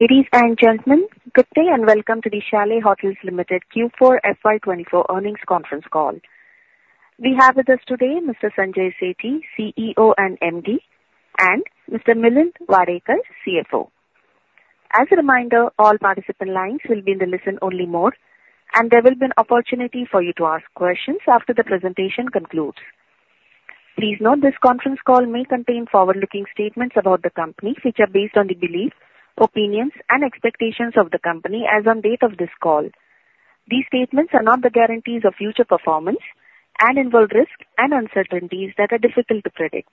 Ladies and gentlemen, good day and welcome to the Chalet Hotels Limited Q4 FY 2024 Earnings Conference Call. We have with us today Mr. Sanjay Sethi, CEO and MD, and Mr. Milind Wadekar, CFO. As a reminder, all participant lines will be in the listen-only mode, and there will be an opportunity for you to ask questions after the presentation concludes. Please note this conference call may contain forward-looking statements about the company, which are based on the beliefs, opinions, and expectations of the company as of the date of this call. These statements are not the guarantees of future performance and involve risk and uncertainties that are difficult to predict.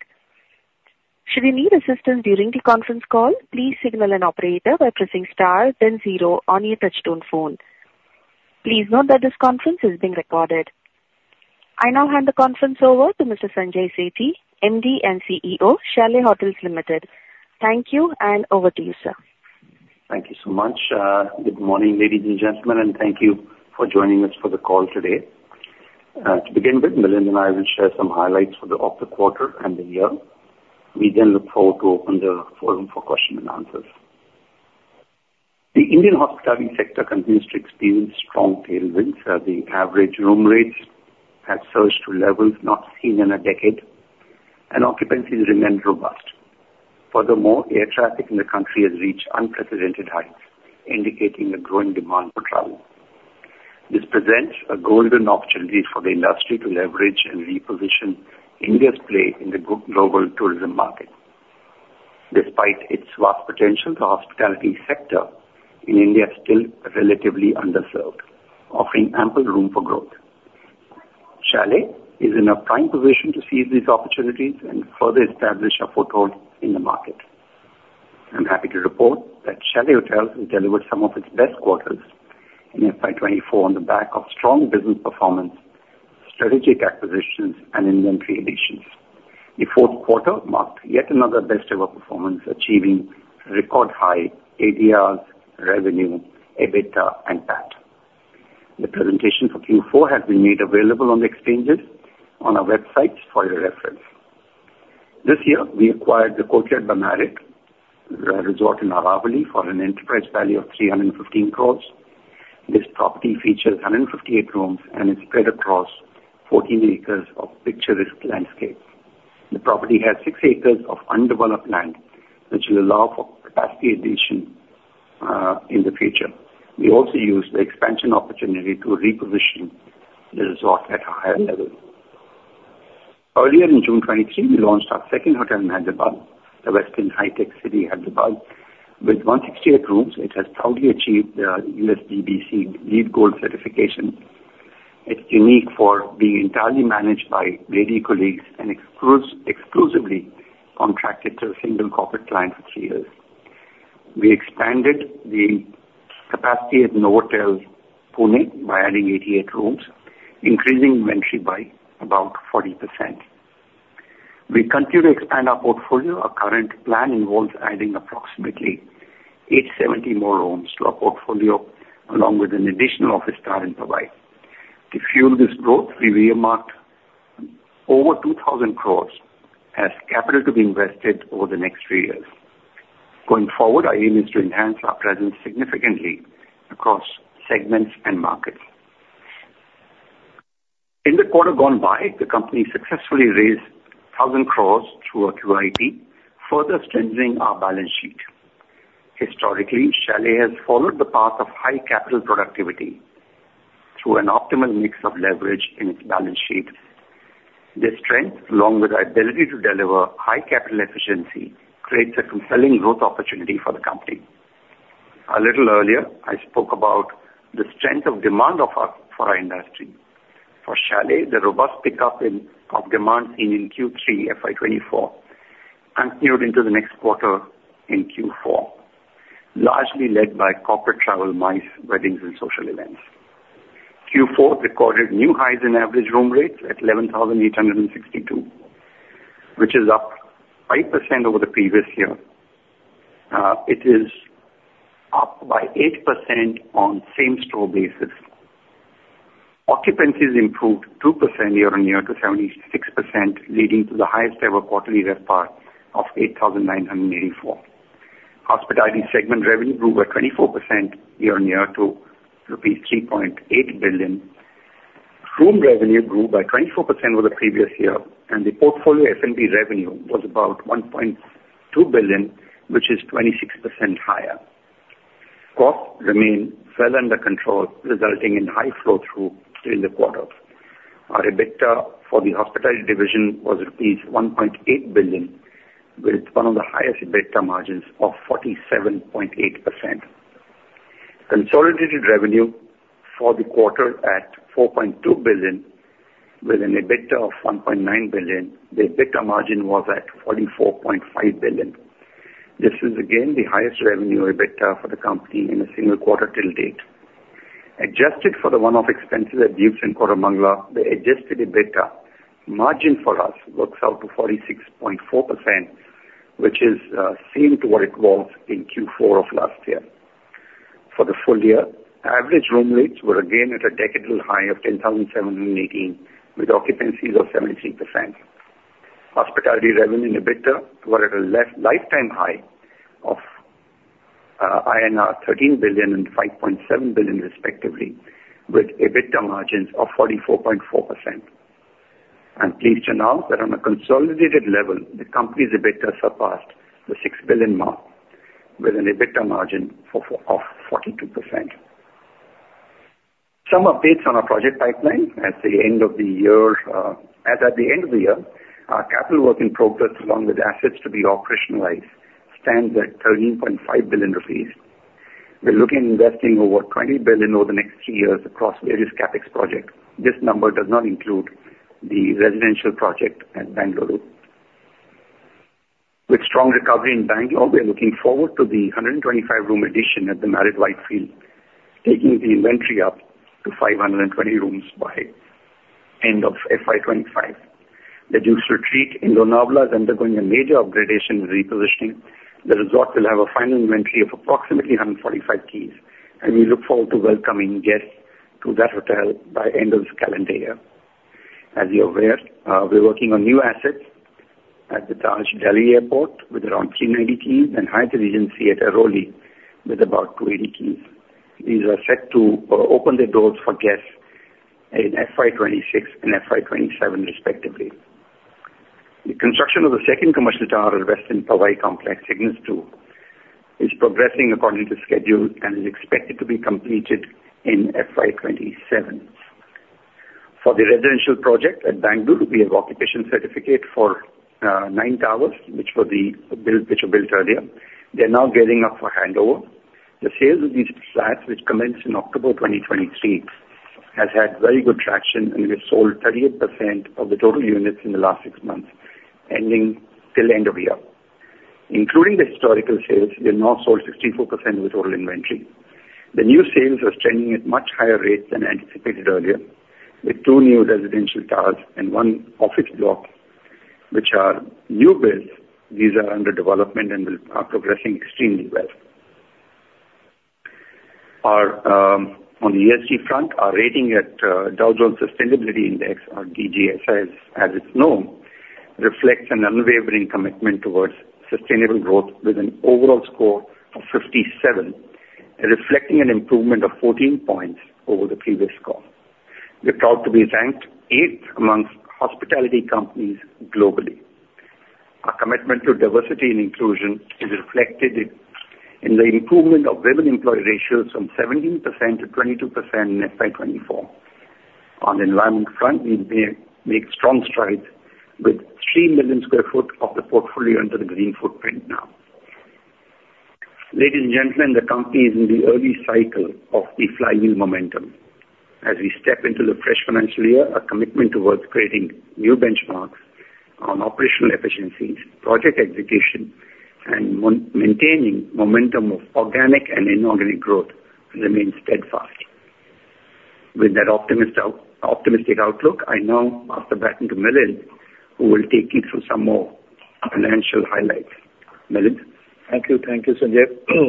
Should you need assistance during the conference call, please signal an operator by pressing star, then zero on your touch-tone phone. Please note that this conference is being recorded. I now hand the conference over to Mr. Sanjay Sethi, MD and CEO, Chalet Hotels Limited. Thank you, and over to you, sir. Thank you so much. Good morning, ladies and gentlemen, and thank you for joining us for the call today. To begin with, Milind and I will share some highlights for the quarter and the year. We then look forward to opening the forum for questions and answers. The Indian hospitality sector continues to experience strong tailwinds. The average room rates have surged to levels not seen in a decade, and occupancy remains robust. Furthermore, air traffic in the country has reached unprecedented heights, indicating a growing demand for travel. This presents a golden opportunity for the industry to leverage and reposition India's play in the global tourism market. Despite its vast potential, the hospitality sector in India is still relatively underserved, offering ample room for growth. Chalet is in a prime position to seize these opportunities and further establish a foothold in the market. I'm happy to report that Chalet Hotels has delivered some of its best quarters in FY 2024 on the back of strong business performance, strategic acquisitions, and inventory additions. The fourth quarter marked yet another best-ever performance, achieving record high ADRs, revenue, EBITDA, and PAT. The presentation for Q4 has been made available on the exchanges on our website for your reference. This year, we acquired the Courtyard by Marriott Aravali Resort in Aravali for an enterprise value of 315 crores. This property features 158 rooms and is spread across 14 acres of picturesque landscapes. The property has six acres of undeveloped land, which will allow for capacity addition in the future. We also used the expansion opportunity to reposition the resort at a higher level. Earlier in June 2023, we launched our second hotel in Hyderabad, The Westin Hyderabad Hitec City. With 168 rooms, it has proudly achieved the USGBC LEED Gold certification. It's unique for being entirely managed by lady colleagues and exclusively contracted to a single corporate client for three years. We expanded the capacity at Novotel Pune by adding 88 rooms, increasing inventory by about 40%. We continue to expand our portfolio. Our current plan involves adding approximately 870 more rooms to our portfolio, along with an additional office target provided. To fuel this growth, we earmarked over 2,000 crores as capital to be invested over the next three years. Going forward, our aim is to enhance our presence significantly across segments and markets. In the quarter gone by, the company successfully raised 1,000 crores through a QIP, further strengthening our balance sheet. Historically, Chalet has followed the path of high capital productivity through an optimal mix of leverage in its balance sheet. This strength, along with our ability to deliver high capital efficiency, creates a compelling growth opportunity for the company. A little earlier, I spoke about the strength of demand for our industry. For Chalet, the robust pickup of demand seen in Q3 FY 2024 continued into the next quarter in Q4, largely led by corporate travel, MICE weddings, and social events. Q4 recorded new highs in average room rates at 11,862, which is up 5% over the previous year. It is up by 8% on same-store basis. Occupancy has improved 2% year-on-year to 76%, leading to the highest-ever quarterly record of 8,984. Hospitality segment revenue grew by 24% year-on-year to rupees 3.8 billion. Room revenue grew by 24% over the previous year, and the portfolio F&B revenue was about 1.2 billion, which is 26% higher. Costs remained well under control, resulting in high flow-through during the quarter. Our EBITDA for the hospitality division was rupees 1.8 billion, with one of the highest EBITDA margins of 47.8%. Consolidated revenue for the quarter at 4.2 billion, with an EBITDA of 1.9 billion. The EBITDA margin was at 44.5%. This is, again, the highest revenue EBITDA for the company in a single quarter till date. Adjusted for the one-off expenses at Dukes and Koramangala, the adjusted EBITDA margin for us works out to 46.4%, which is same as what it was in Q4 of last year. For the full year, average room rates were again at a decadal high of 10,718, with occupancies of 73%. Hospitality revenue and EBITDA were at a lifetime high of INR 13 billion and 5.7 billion, respectively, with EBITDA margins of 44.4%. Please note that on a consolidated level, the company's EBITDA surpassed the 6 billion mark, with an EBITDA margin of 42%. Some updates on our project pipeline: as at the end of the year, our capital work in progress, along with assets to be operationalized, stands at 13.5 billion rupees. We're looking at investing over 20 billion over the next three years across various CapEx projects. This number does not include the residential project at Bangalore. With strong recovery in Bangalore, we're looking forward to the 125-room addition at the Marriott Whitefield, taking the inventory up to 520 rooms by the end of FY 2025. The Dukes Retreat in Lonavala is undergoing a major upgradation and repositioning. The resort will have a final inventory of approximately 145 keys, and we look forward to welcoming guests to that hotel by the end of this calendar year. As you're aware, we're working on new assets at the Delhi Airport with around 390 keys and Hyatt Regency at Airoli with about 280 keys. These are set to open their doors for guests in FY 2026 and FY 2027, respectively. The construction of the second commercial tower at Westin Powai Complex, Cignus 2, is progressing according to schedule and is expected to be completed in FY 2027. For the residential project at Bengaluru, we have occupation certificates for nine towers, which were built earlier. They're now gearing up for handover. The sales of these flats, which commence in October 2023, have had very good traction, and we've sold 38% of the total units in the last six months, ending till the end of year. Including the historical sales, we have now sold 64% of the total inventory. The new sales are trending at much higher rates than anticipated earlier, with two new residential towers and one office block, which are new builds. These are under development and are progressing extremely well. On the ESG front, our rating at the Dow Jones Sustainability Index, or DJSI as it's known, reflects an unwavering commitment towards sustainable growth, with an overall score of 57, reflecting an improvement of 14 points over the previous score. We're proud to be ranked eighth amongst hospitality companies globally. Our commitment to diversity and inclusion is reflected in the improvement of women employee ratios from 17%-22% in FY 2024. On the environment front, we make strong strides with 3 million sq ft of the portfolio under the Green Footprint now. Ladies and gentlemen, the company is in the early cycle of the flywheel momentum. As we step into the fresh financial year, our commitment towards creating new benchmarks on operational efficiencies, project execution, and maintaining momentum of organic and inorganic growth remains steadfast. With that optimistic outlook, I now pass the baton to Milind, who will take you through some more financial highlights. Milind? Thank you. Thank you, Sanjay.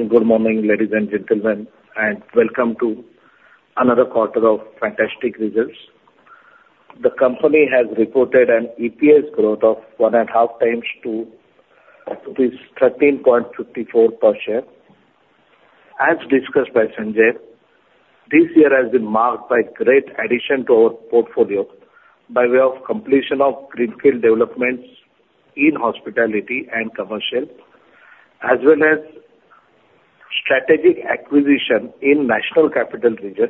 Good morning, ladies and gentlemen, and welcome to another quarter of fantastic results. The company has reported an EPS growth of 1.5x to 13.54 per share. As discussed by Sanjay, this year has been marked by a great addition to our portfolio by way of completion of greenfield developments in hospitality and commercial, as well as strategic acquisition in the National Capital Region,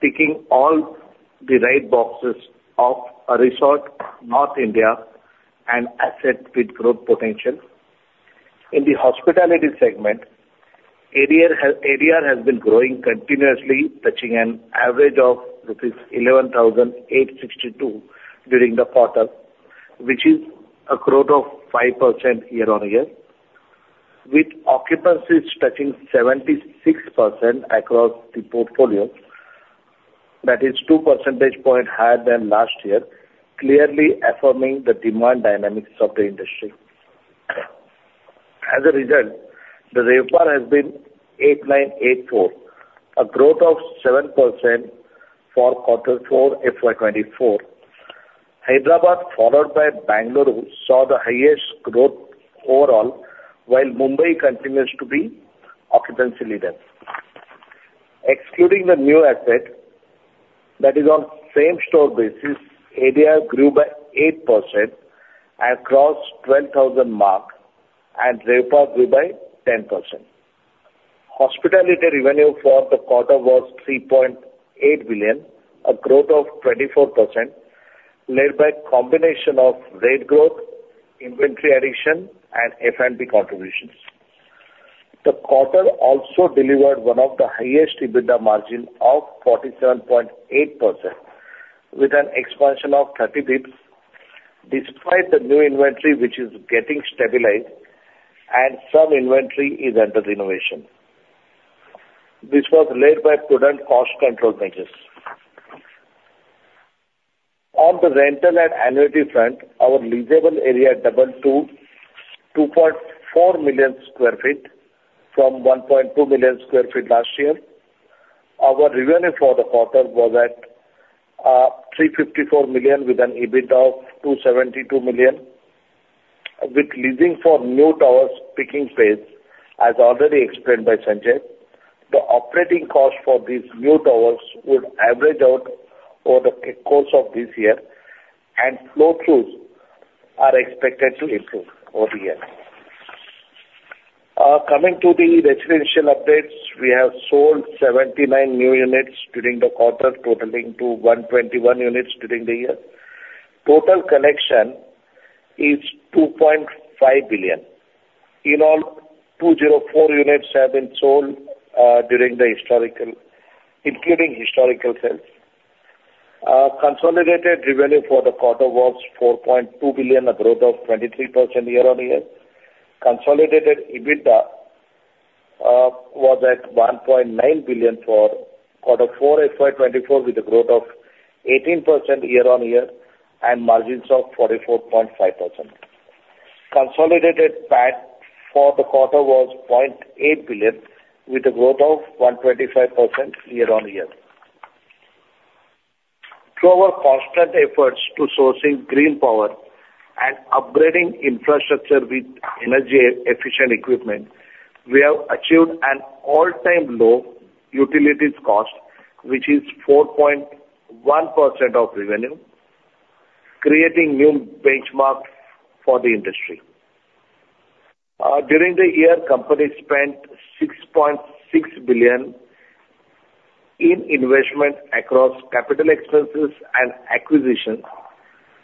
ticking all the right boxes of a resort in North India and assets with growth potential. In the hospitality segment, ADR has been growing continuously, touching an average of rupees 11,862 during the quarter, which is a growth of 5% year-on-year, with occupancies touching 76% across the portfolio. That is 2 percentage points higher than last year, clearly affirming the demand dynamics of the industry. As a result, the RevPAR has been 8,984, a growth of 7% for quarter four FY 2024. Hyderabad, followed by Bengaluru, saw the highest growth overall, while Mumbai continues to be occupancy leader. Excluding the new asset that is on same-store basis, ADR grew by 8% across the 12,000 mark, and the RevPAR grew by 10%. Hospitality revenue for the quarter was 3.8 billion, a growth of 24%, led by a combination of rate growth, inventory addition, and F&B contributions. The quarter also delivered one of the highest EBITDA margins of 47.8%, with an expansion of 30 basis points, despite the new inventory, which is getting stabilized, and some inventory is under renovation. This was led by prudent cost control measures. On the rental and annuity front, our leasable area doubled to 2.4 million sq ft from 1.2 million sq ft last year. Our revenue for the quarter was at 354 million, with an EBITDA of 272 million. With leasing for new towers picking pace, as already explained by Sanjay, the operating costs for these new towers would average out over the course of this year, and flow-throughs are expected to improve over the year. Coming to the residential updates, we have sold 79 new units during the quarter, totaling to 121 units during the year. Total collection is 2.5 billion. In all, 204 units have been sold during the historical, including historical sales. Consolidated revenue for the quarter was 4.2 billion, a growth of 23% year-on-year. Consolidated EBITDA was at 1.9 billion for quarter four FY 2024, with a growth of 18% year-on-year and margins of 44.5%. Consolidated PAT for the quarter was 0.8 billion, with a growth of 125% year-on-year. Through our constant efforts to sourcing green power and upgrading infrastructure with energy-efficient equipment, we have achieved an all-time low utilities cost, which is 4.1% of revenue, creating new benchmarks for the industry. During the year, the company spent 6.6 billion in investment across capital expenses and acquisitions,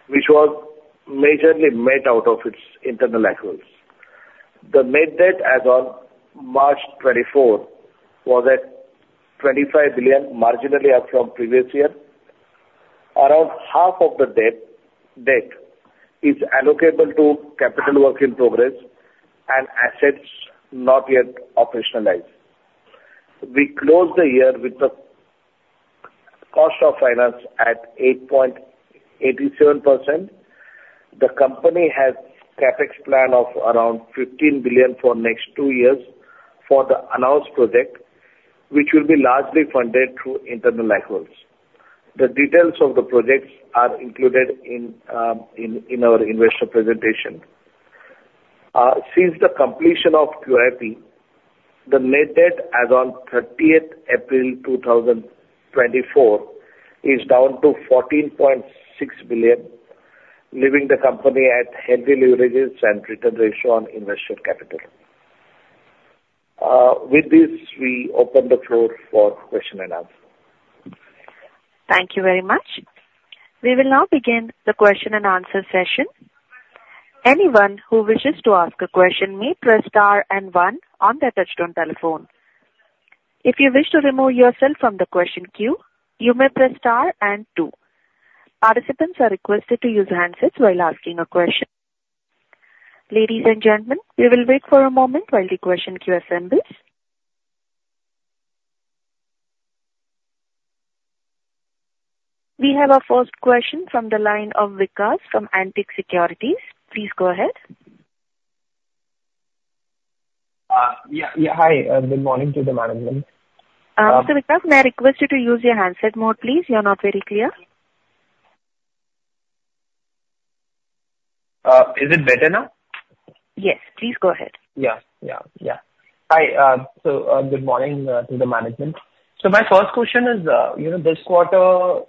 which was majorly met out of its internal accruals. The net debt, as on March 2024, was at 25 billion, marginally up from the previous year. Around half of the debt is allocable to capital work in progress and assets not yet operationalized. We closed the year with the cost of finance at 8.87%. The company has a CapEx plan of around 15 billion for the next two years for the announced project, which will be largely funded through internal accruals. The details of the projects are included in our investor presentation. Since the completion of QIP, the net debt, as on 30th April 2024, is down to 14.6 billion, leaving the company at healthy leverages and return ratio on invested capital. With this, we open the floor for question and answer. Thank you very much. We will now begin the question and answer session. Anyone who wishes to ask a question may press star and one on their touch-tone telephone. If you wish to remove yourself from the question queue, you may press star and two. Participants are requested to use handsets while asking a question. Ladies and gentlemen, we will wait for a moment while the question queue assembles. We have our first question from the line of Vikas from Antique Stock Broking. Please go ahead. Yeah. Yeah. Hi. Good morning to the management. Mr. Vikas, may I request you to use your handset mode, please? You're not very clear. Is it better now? Yes. Please go ahead. Yeah. Yeah. Yeah. Hi. So good morning to the management. So my first question is, this quarter,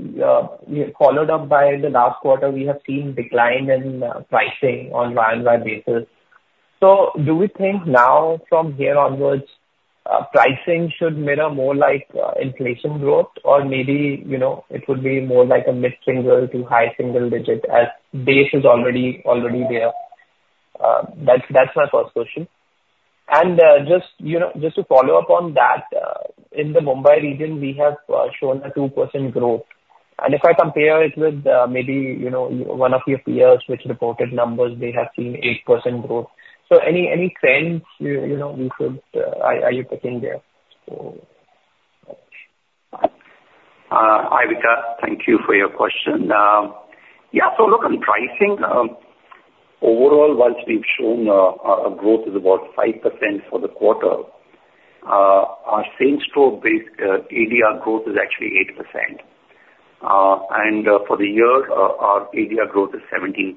followed up by the last quarter, we have seen a decline in pricing on an annual basis. So do we think now, from here onwards, pricing should mirror more inflation growth, or maybe it would be more like a mid-single to high-single digit as base is already there? That's my first question. And just to follow up on that, in the Mumbai region, we have shown a 2% growth. And if I compare it with maybe one of your peers, which reported numbers, they have seen 8% growth. So any trends are you picking there? Hi, Vikas. Thank you for your question. Yeah. So looking at pricing, overall, once we've shown a growth of about 5% for the quarter, our same-store basis ADR growth is actually 8%. And for the year, our ADR growth is 17%.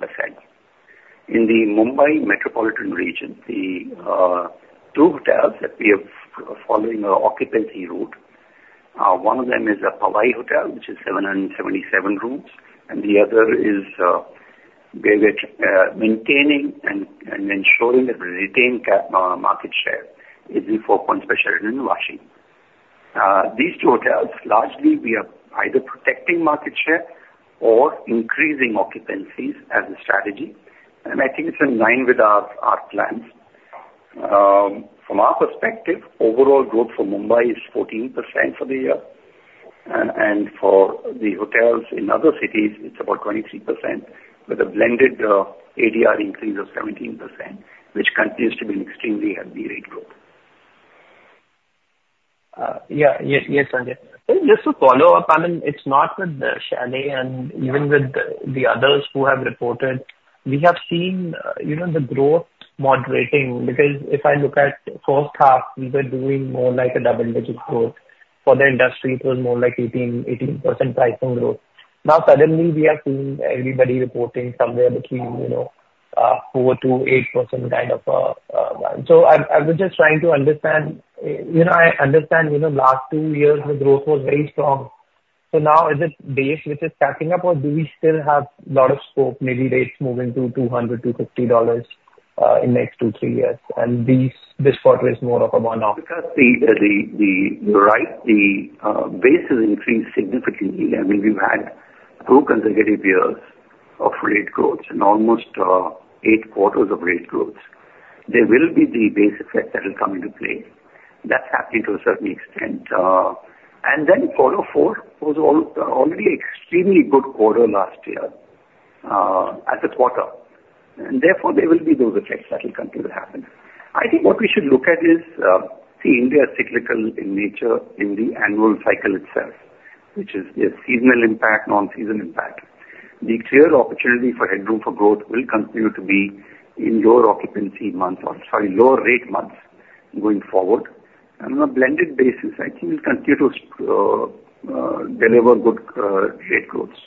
In the Mumbai metropolitan region, the two hotels that we are following are occupancy-led. One of them is a Powai Hotel, which is 777 rooms, and the other is where we're maintaining and ensuring that we retain market share is the Four Points by Sheraton in Vashi. These two hotels, largely, we are either protecting market share or increasing occupancies as a strategy. And I think it's in line with our plans. From our perspective, overall growth for Mumbai is 14% for the year. And for the hotels in other cities, it's about 23%, with a blended ADR increase of 17%, which continues to be an extremely healthy rate growth. Yeah. Yes, Sanjay. Just to follow up, I mean, it's not with the Chalet and even with the others who have reported. We have seen the growth moderating because if I look at the first half, we were doing more like a double-digit growth. For the industry, it was more like 18% pricing growth. Now, suddenly, we are seeing everybody reporting somewhere between 4%-8% kind of a so I was just trying to understand. I understand the last two years, the growth was very strong. So now, is it base which is catching up, or do we still have a lot of scope? Maybe rates moving to $200, $250 in the next two, three years? And this quarter is more of a one-off. Because, you're right, the base has increased significantly. I mean, we've had two consecutive years of rate growths and almost eights quarters of rate growths. There will be the base effect that will come into play. That's happening to a certain extent. And then quarter four was already an extremely good quarter last year as a quarter. And therefore, there will be those effects that will continue to happen. I think what we should look at is, see, India is cyclical in nature in the annual cycle itself, which is the seasonal impact, non-seasonal impact. The clear opportunity for headroom for growth will continue to be in lower occupancy months or, sorry, lower rate months going forward. And on a blended basis, I think we'll continue to deliver good rate growths.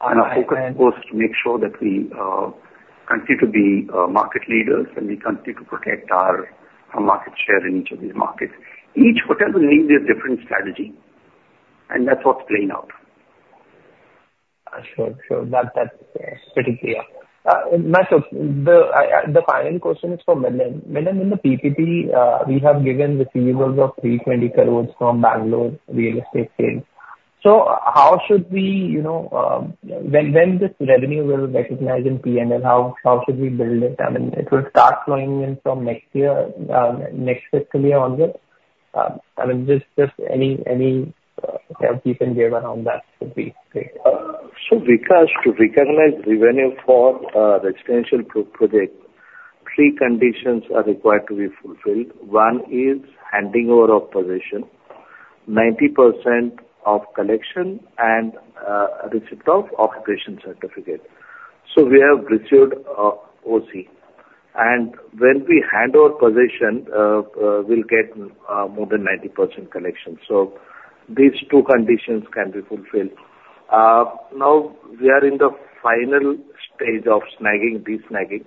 Our focus is supposed to make sure that we continue to be market leaders and we continue to protect our market share in each of these markets. Each hotel will need their different strategy, and that's what's playing out. Sure. Sure. That's pretty clear. The final question is for Milind. Milind, in the PPT, we have given receivables of 320 crore from Bengaluru real estate sales. So how should we when this revenue will be recognized in P&L, how should we build it? I mean, it will start flowing in from next year, next fiscal year onward? I mean, just any help you can give around that would be great. So, Vikas, to recognize revenue for residential projects, three conditions are required to be fulfilled. One is handing over of possession, 90% of collection, and receipt of occupation certificate. We have received OC. When we hand over possession, we'll get more than 90% collection. These two conditions can be fulfilled. We are in the final stage of de-snagging,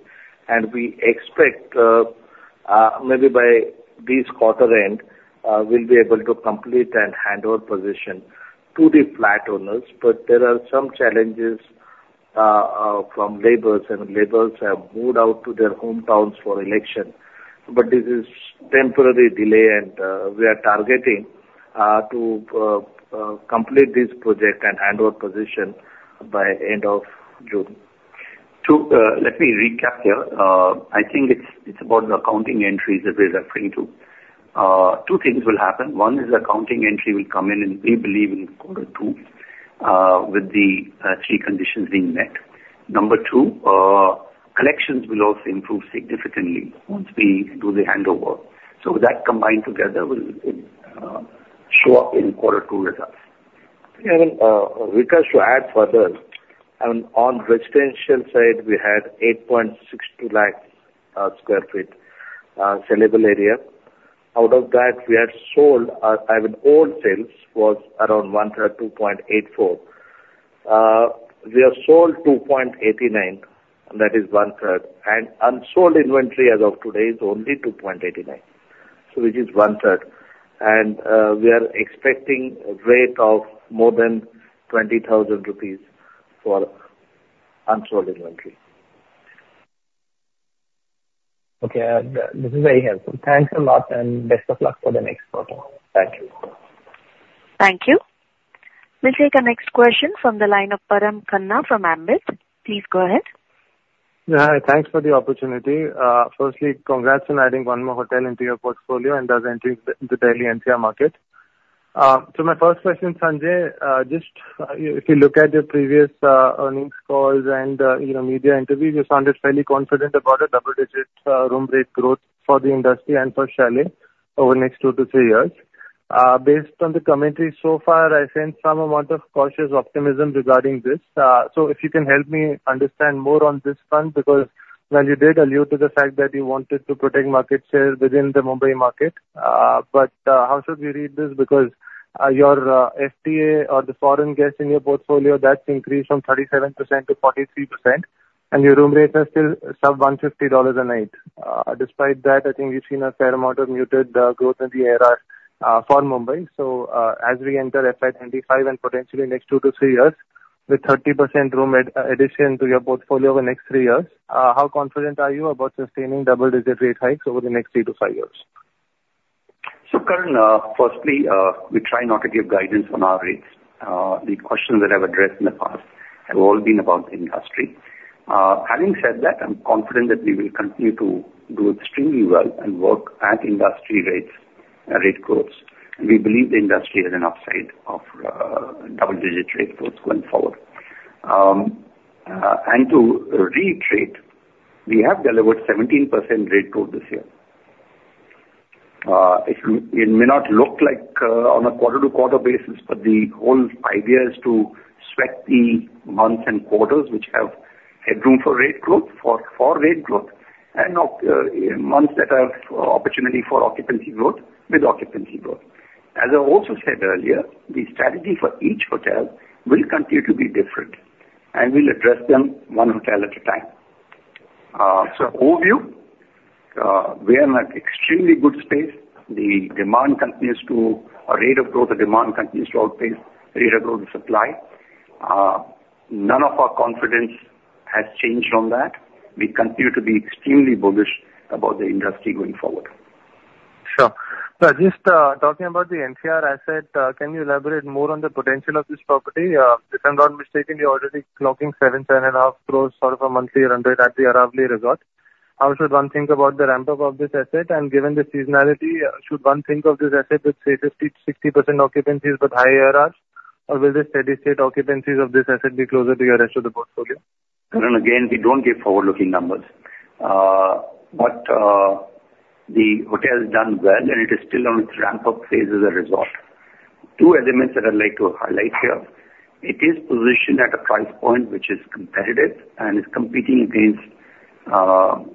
and we expect maybe by this quarter end, we'll be able to complete and hand over possession to the flat owners. There are some challenges from labors, and laborers have moved out to their hometowns for election. This is a temporary delay, and we are targeting to complete this project and hand over possession by the end of June. Let me recap here. I think it's about the accounting entries that we're referring to. Two things will happen. One is accounting entry will come in, and we believe, in quarter two with the three conditions being met. Number two, collections will also improve significantly once we do the handover. So that combined together will show up in quarter two results. I mean, Vikas, to add further, I mean, on the residential side, we had 8.62 lakh sq ft sellable area. Out of that, we have sold I mean, all sales was around one-third, 2.84. We have sold 2.89, and that is one-third. And unsold inventory as of today is only 2.89, which is one-third. And we are expecting a rate of more than 20,000 rupees for unsold inventory. Okay. This is very helpful. Thanks a lot, and best of luck for the next quarter. Thank you. Thank you. We'll take a next question from the line of Karan Khanna from Ambit. Please go ahead. Yeah. Thanks for the opportunity. Firstly, congrats on adding one more hotel into your portfolio and thus entering the Delhi NCR market. So my first question, Sanjay, just if you look at your previous earnings calls and media interviews, you sounded fairly confident about a double-digit room rate growth for the industry and for Chalet over the next two to three years. Based on the commentary so far, I sense some amount of cautious optimism regarding this. So if you can help me understand more on this fund because, well, you did allude to the fact that you wanted to protect market share within the Mumbai market. But how should we read this? Because your FTA or the foreign guests in your portfolio, that's increased from 37%-43%, and your room rates are still sub-$150 a night. Despite that, I think we've seen a fair amount of muted growth in the air for Mumbai. So as we enter FY 2025 and potentially the next two to three years with 30% room addition to your portfolio over the next three years, how confident are you about sustaining double-digit rate hikes over the next three to five years? So, Karan, firstly, we try not to give guidance on our rates. The questions that I've addressed in the past have all been about the industry. Having said that, I'm confident that we will continue to do extremely well and work at industry rates and rate growths. And we believe the industry has an upside of double-digit rate growth going forward. And to reiterate, we have delivered 17% rate growth this year. It may not look like on a quarter-to-quarter basis, but the whole idea is to swap the months and quarters which have headroom for rate growth for rate growth and months that have opportunity for occupancy growth with occupancy growth. As I also said earlier, the strategy for each hotel will continue to be different, and we'll address them one hotel at a time. So overview, we are in an extremely good space. The demand continues to outpace the rate of growth in supply. None of our confidence has changed on that. We continue to be extremely bullish about the industry going forward. Sure. Just talking about the NCR asset, can you elaborate more on the potential of this property? If I'm not mistaken, you're already clocking 7-7.5 crore sort of a monthly run rate at the Aravali Resort. How should one think about the ramp-up of this asset? And given the seasonality, should one think of this asset with say 50%-60% occupancies with higher RRs, or will the steady state occupancies of this asset be closer to your rest of the portfolio? Karan, again, we don't give forward-looking numbers. But the hotel has done well, and it is still on its ramp-up phase as a resort. Two elements that I'd like to highlight here. It is positioned at a price point which is competitive and is competing against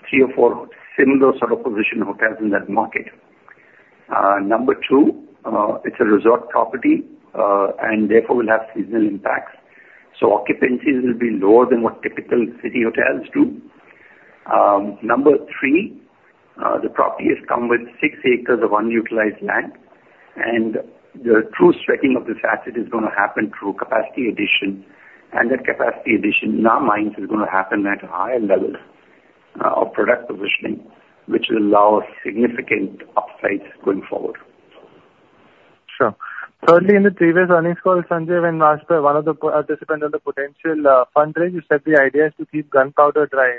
three or four similar sort of position hotels in that market. Number two, it's a resort property, and therefore, will have seasonal impacts. So occupancies will be lower than what typical city hotels do. Number three, the property has come with six acres of unutilized land. And the true sweating of this asset is going to happen through capacity addition. And that capacity addition, in our minds, is going to happen at a higher level of product positioning, which will allow significant upsides going forward. Sure. Currently, in the previous earnings call, Sanjay, when asked by one of the participants on the potential fundraise, you said the idea is to keep gunpowder dry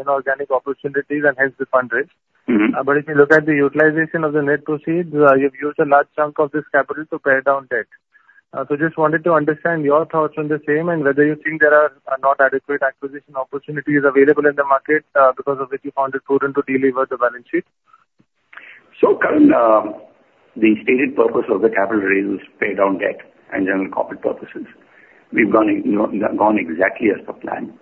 in organic opportunities and hence the fundraise. But if you look at the utilization of the net proceeds, you've used a large chunk of this capital to pay down debt. So just wanted to understand your thoughts on the same and whether you think there are not adequate acquisition opportunities available in the market because of which you found it prudent to deliver the balance sheet. So, Karan, the stated purpose of the capital raise is to pay down debt and general profit purposes. We've gone exactly as per plan.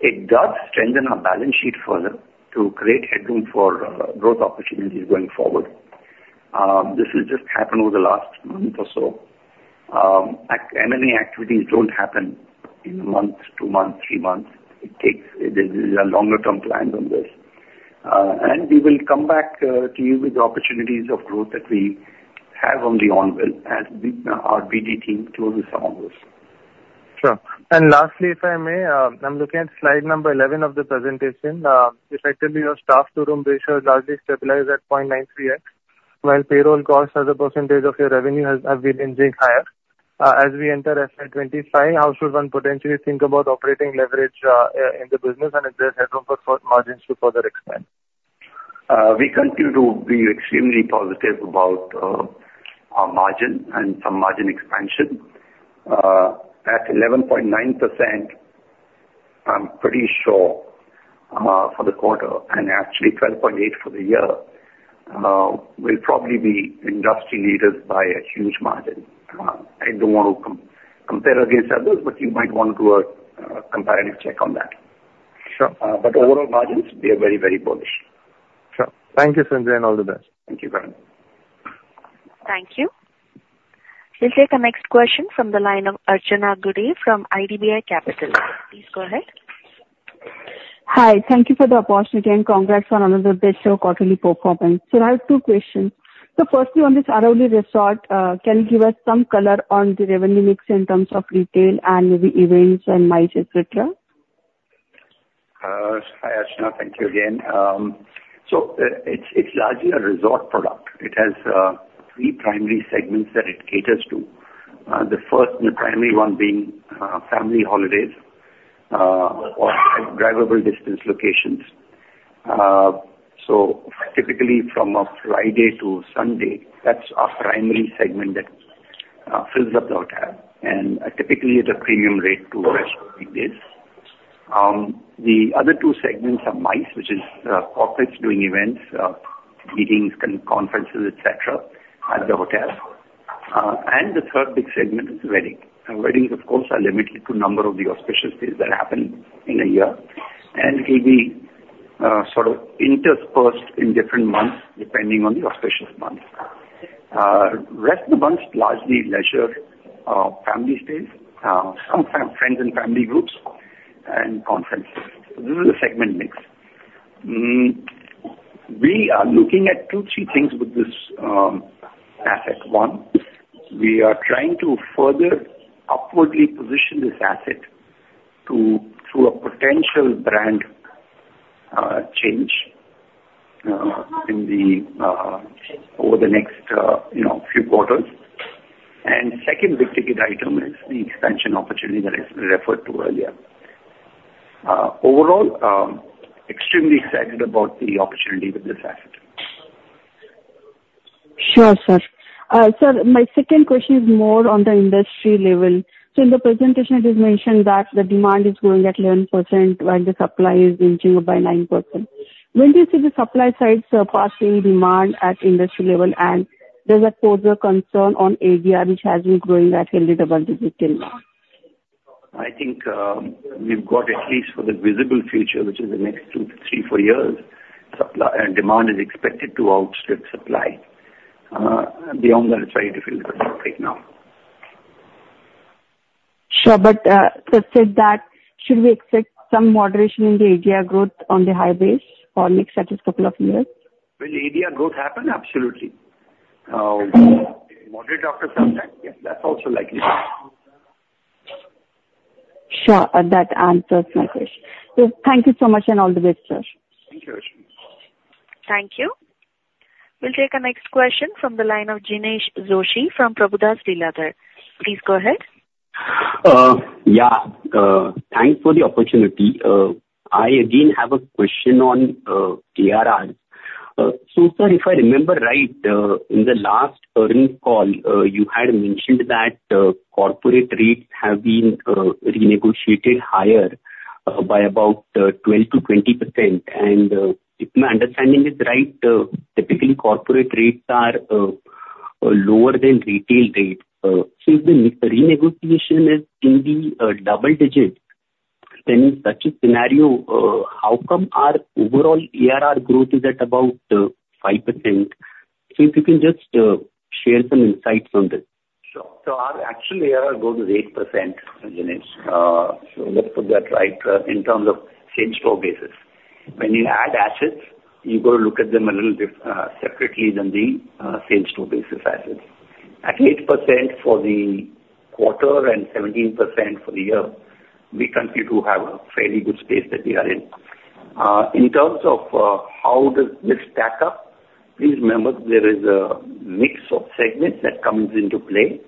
It does strengthen our balance sheet further to create headroom for growth opportunities going forward. This has just happened over the last month or so. M&A activities don't happen in a month, two months, three months. There are longer-term plans on this. And we will come back to you with the opportunities of growth that we have on the anvil as our BD team closes some of those. Sure. And lastly, if I may, I'm looking at slide number 11 of the presentation. Effectively, your staff-to-room ratio has largely stabilized at 0.93x, while payroll cost as a percentage of your revenue has been inching higher. As we enter FY 2025, how should one potentially think about operating leverage in the business and if there's headroom for margins to further expand? We continue to be extremely positive about our margin and some margin expansion. At 11.9%, I'm pretty sure for the quarter and actually 12.8% for the year, we'll probably be industry leaders by a huge margin. I don't want to compare against others, but you might want to do a comparative check on that. Overall margins, we are very, very bullish. Sure. Thank you, Sanjay. And all the best. Thank you, Karan. Thank you. We'll take a next question from the line of Archana Gude from IDBI Capital. Please go ahead. Hi. Thank you for the opportunity, and congrats on another best-show quarterly performance. I have two questions. Firstly, on this Aravali Resort, can you give us some color on the revenue mix in terms of retail and maybe events and mice, etc.? Hi, Archana. Thank you again. So it's largely a resort product. It has three primary segments that it caters to, the first primary one being family holidays or drivable-distance locations. So typically, from Friday to Sunday, that's our primary segment that fills up the hotel. And typically, it's a premium rate to restaurant business. The other two segments are MICE, which is corporates doing events, meetings, conferences, etc., at the hotel. And the third big segment is weddings. Weddings, of course, are limited to a number of the auspicious days that happen in a year and can be sort of interspersed in different months depending on the auspicious months. The rest of the months largely leisure family stays, some friends and family groups, and conferences. So this is a segment mix. We are looking at two, three things with this asset. 1, we are trying to further upwardly position this asset through a potential brand change over the next few quarters. Second big-ticket item is the expansion opportunity that I referred to earlier. Overall, extremely excited about the opportunity with this asset. Sure, sir. Sir, my second question is more on the industry level. In the presentation, it is mentioned that the demand is growing at 11% while the supply is inching up by 9%. When do you see the supply side surpassing demand at industry level, and does that pose a concern on ADR, which has been growing at a little double-digit till now? I think we've got, at least for the visible future, which is the next two, three, four years, demand is expected to outstrip supply. Beyond that, it's very difficult right now. Sure. But to state that, should we expect some moderation in the ADR growth on the high base or mix after a couple of years? Will ADR growth happen? Absolutely. Moderate after some time, yes, that's also likely. Sure. That answers my question. So thank you so much, and all the best, sir. Thank you, Archana. Thank you. We'll take a next question from the line of Jinesh Joshi from Prabhudas Lilladher. Please go ahead. Yeah. Thanks for the opportunity. I, again, have a question on ARRs. So, sir, if I remember right, in the last current call, you had mentioned that corporate rates have been renegotiated higher by about 12%-20%. And if my understanding is right, typically, corporate rates are lower than retail rates. So if the renegotiation is in the double-digit, then in such a scenario, how come our overall ARR growth is at about 5%? So if you can just share some insights on this. Sure. So our actual ARR growth is 8%, Jinesh. So let's put that right in terms of same-store basis. When you add assets, you got to look at them a little separately than the same-store basis assets. At 8% for the quarter and 17% for the year, we continue to have a fairly good space that we are in. In terms of how does this stack up, please remember there is a mix of segments that comes into play.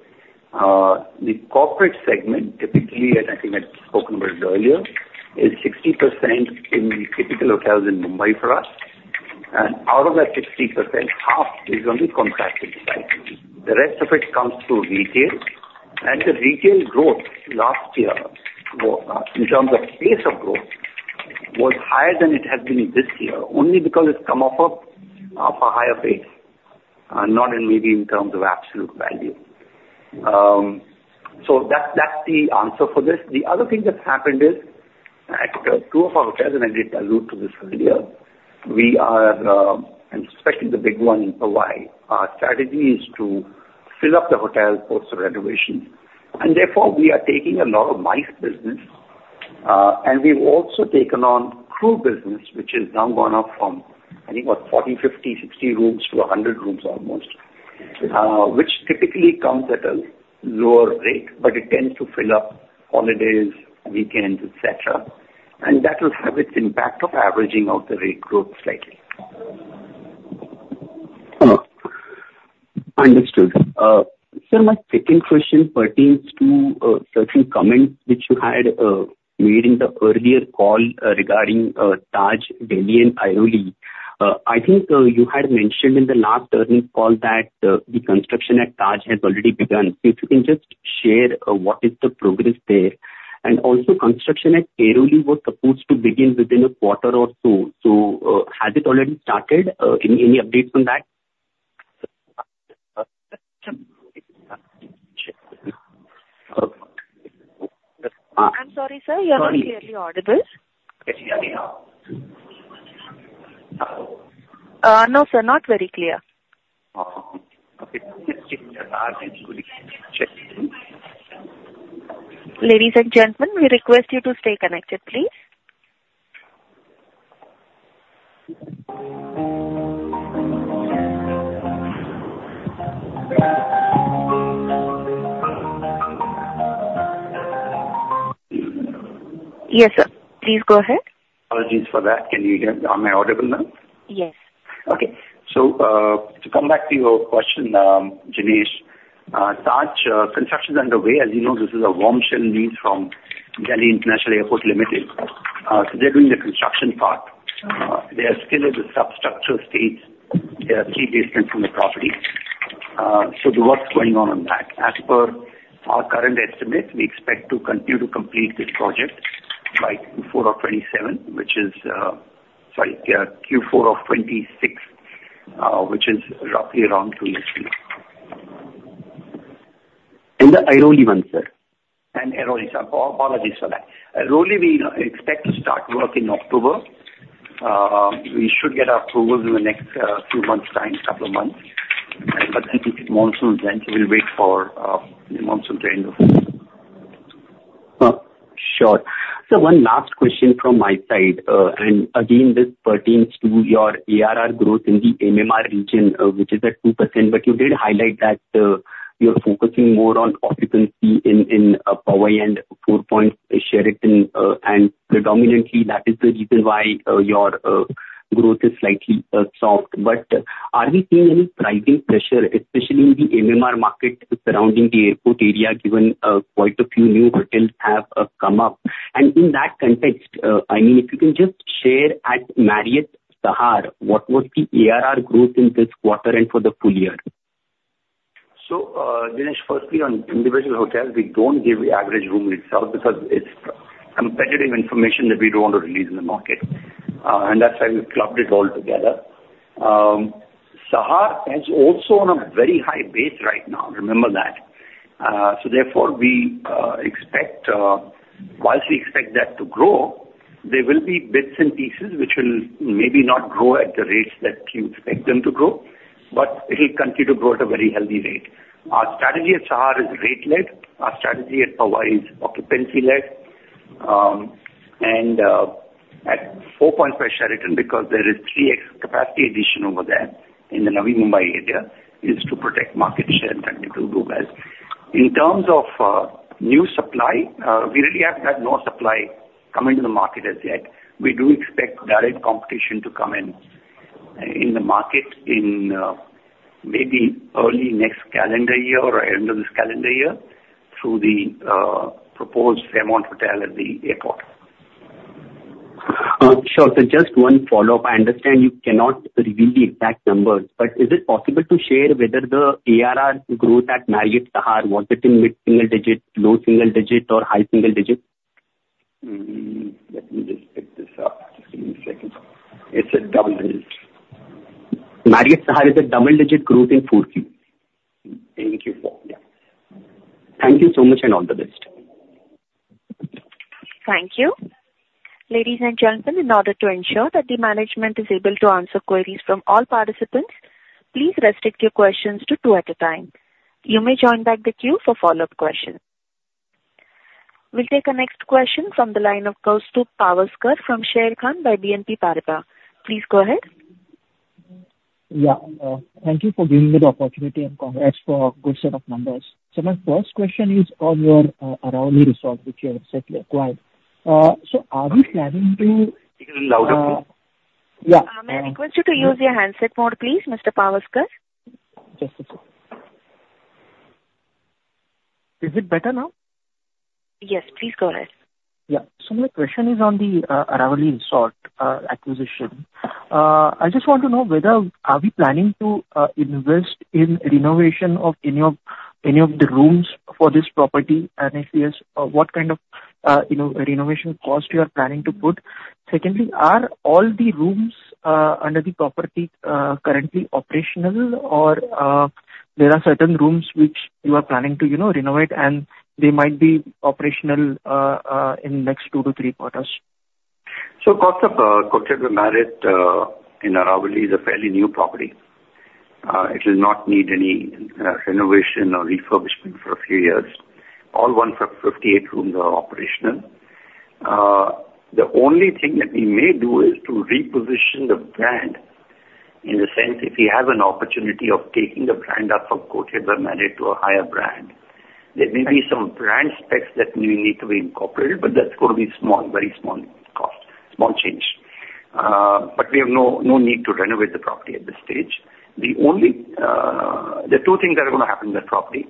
The corporate segment, typically, and I think I've spoken about it earlier, is 60% in the typical hotels in Mumbai for us. Out of that 60%, half is on the contracted side. The rest of it comes through retail. The retail growth last year, in terms of pace of growth, was higher than it has been this year only because it's come off a higher base, not maybe in terms of absolute value. So that's the answer for this. The other thing that's happened is at two of our hotels, and I did allude to this earlier, we are and especially the big one in Powai, our strategy is to fill up the hotel post-renovations. Therefore, we are taking a lot of MICE business. We've also taken on crew business, which has now gone up from, I think, what, 40, 50, 60 rooms to 100 rooms almost, which typically comes at a lower rate, but it tends to fill up holidays, weekends, etc. That will have its impact of averaging out the rate growth slightly. Understood. Sir, my second question pertains to certain comments which you had made in the earlier call regarding Taj, Delhi, and Airoli. I think you had mentioned in the last earnings call that the construction at Taj has already begun. So if you can just share what is the progress there? And also, construction at Airoli was supposed to begin within a quarter or so. So has it already started? Any updates on that? I'm sorry, sir. You're not clearly audible. No, sir. Not very clear. Okay. Let's check the car. Let's go check. Ladies and gentlemen, we request you to stay connected, please. Yes, sir. Please go ahead. Apologies for that. Can you hear me? Am I audible now? Yes. Okay. So to come back to your question, Jinesh, Taj construction is underway. As you know, this is a warm-shell lease from Delhi International Airport Limited. So they're doing the construction part. They are still in the substructure stage. There are three basements in the property. So the work's going on that. As per our current estimate, we expect to continue to complete this project by Q4 of 2027, which is sorry, Q4 of 2026, which is roughly around two years from now. And the Airoli one, sir? And Airoli. So, apologies for that. Airoli, we expect to start work in October. We should get approvals in the next few months' time, couple of months. But then if it monsoons then, so we'll wait for the monsoon to end. Sure. Sir, one last question from my side. Again, this pertains to your ARR growth in the MMR region, which is at 2%, but you did highlight that you're focusing more on occupancy in Powai and Four Points Sheraton. Predominantly, that is the reason why your growth is slightly soft. Are we seeing any pricing pressure, especially in the MMR market surrounding the airport area given quite a few new hotels have come up? In that context, I mean, if you can just share at Marriott Sahar, what was the ARR growth in this quarter and for the full year? So, Jinesh, firstly, on individual hotels, we don't give the average room itself because it's competitive information that we don't want to release in the market. And that's why we've clubbed it all together. Sahar is also on a very high base right now. Remember that. So therefore, whilst we expect that to grow, there will be bits and pieces which will maybe not grow at the rates that you expect them to grow, but it'll continue to grow at a very healthy rate. Our strategy at Sahar is rate-led. Our strategy at Powai is occupancy-led. And at Four Points by Sheraton, because there is 3x capacity addition over there in the Navi Mumbai area, is to protect market share and continue to do well. In terms of new supply, we really have had no supply come into the market as yet. We do expect direct competition to come in the market in maybe early next calendar year or end of this calendar year through the proposed Fairmont Hotel at the airport. Sure. So just one follow-up. I understand you cannot reveal the exact numbers, but is it possible to share whether the ARR growth at Marriott Sahar was it in middle digit, low single digit, or high single digit? Let me just pick this up. Just give me a second. It's a double digit. Marriott Sahar, is it double-digit growth in 4Q? Thank you for yeah. Thank you so much, and all the best. Thank you. Ladies and gentlemen, in order to ensure that the management is able to answer queries from all participants, please restrict your questions to two at a time. You may join back the queue for follow-up questions. We'll take the next question from the line of Kaustubh Pawaskar from Sharekhan by BNP Paribas. Please go ahead. Yeah. Thank you for giving me the opportunity, and congrats for a good set of numbers. Sir, my first question is on your Aravali Resort, which you have recently acquired. So are we planning to. Speaking louder? Yeah. May I request you to use your handset mode, please, Mr. Pawaskar? Just a second. Is it better now? Yes. Please go ahead. Yeah. So my question is on the Aravali Resort acquisition. I just want to know whether are we planning to invest in renovation of any of the rooms for this property? And if yes, what kind of renovation cost you are planning to put? Secondly, are all the rooms under the property currently operational, or there are certain rooms which you are planning to renovate, and they might be operational in the next two to three quarters? So Kaustubh, considering Marriott in Aravali, is a fairly new property. It will not need any renovation or refurbishment for a few years. All 158 rooms are operational. The only thing that we may do is to reposition the brand in the sense, if we have an opportunity of taking the brand up from Courtyard by Marriott to a higher brand, there may be some brand specs that we need to be incorporated, but that's going to be small, very small cost, small change. But we have no need to renovate the property at this stage. The two things that are going to happen in that property,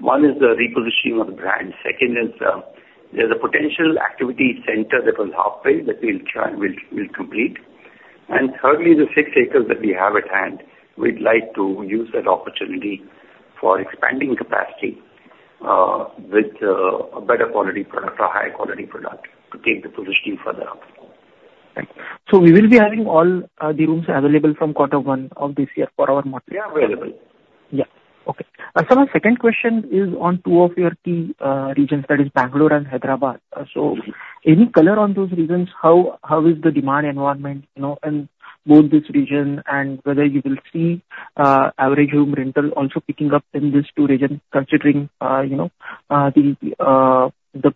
one is the repositioning of the brand. Second is there's a potential activity center that was halfway that we'll complete. And thirdly, the six acres that we have at hand, we'd like to use that opportunity for expanding capacity with a better quality product, a higher quality product, to take the positioning further up. Okay. So we will be having all the rooms available from quarter one of this year for our model? Yeah, available. Yeah. Okay. Sir, my second question is on two of your key regions, that is Bangalore and Hyderabad. So any color on those regions, how is the demand environment in both this region and whether you will see average room rental also picking up in these two regions, considering the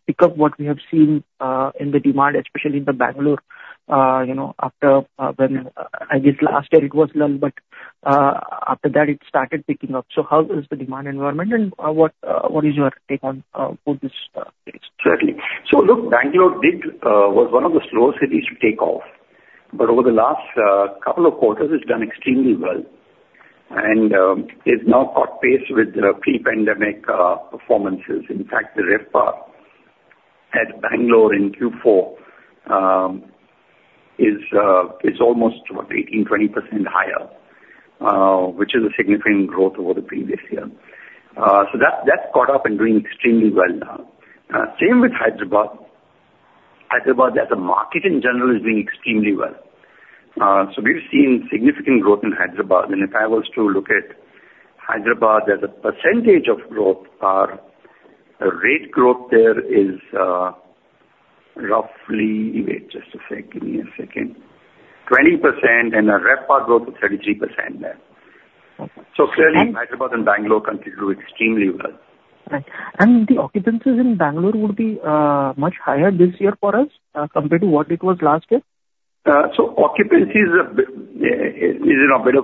pickup what we have seen in the demand, especially in Bangalore after when I guess last year, it was little, but after that, it started picking up. So how is the demand environment, and what is your take on both these areas? Certainly. So look, Bangalore was one of the slower cities to take off, but over the last couple of quarters, it's done extremely well. And it's now caught pace with the pre-pandemic performances. In fact, the RevPAR at Bangalore in Q4 is almost, what, 18%-20% higher, which is a significant growth over the previous year. So that's caught up and doing extremely well now. Same with Hyderabad. Hyderabad, as a market in general, is doing extremely well. So we've seen significant growth in Hyderabad. And if I was to look at Hyderabad as a percentage of growth, our rate growth there is roughly wait, just a second. Give me a second. 20% and a RevPAR growth of 33% there. So clearly, Hyderabad and Bangalore continue to do extremely well. The occupancies in Bangalore would be much higher this year for us compared to what it was last year? Occupancy is in a better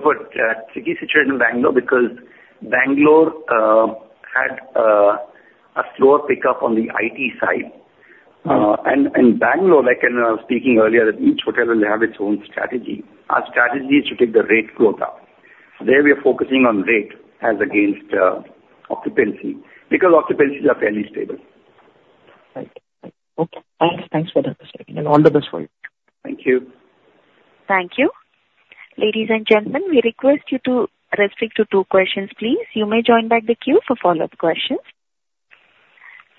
tricky situation in Bangalore because Bangalore had a slower pickup on the IT side. Bangalore, like I was speaking earlier, each hotel will have its own strategy. Our strategy is to take the rate growth up. There, we are focusing on rate as against occupancy because occupancies are fairly stable. Right. Okay. Thanks. Thanks for the understanding. All the best for you. Thank you. Thank you. Ladies and gentlemen, we request you to restrict to two questions, please. You may join back the queue for follow-up questions.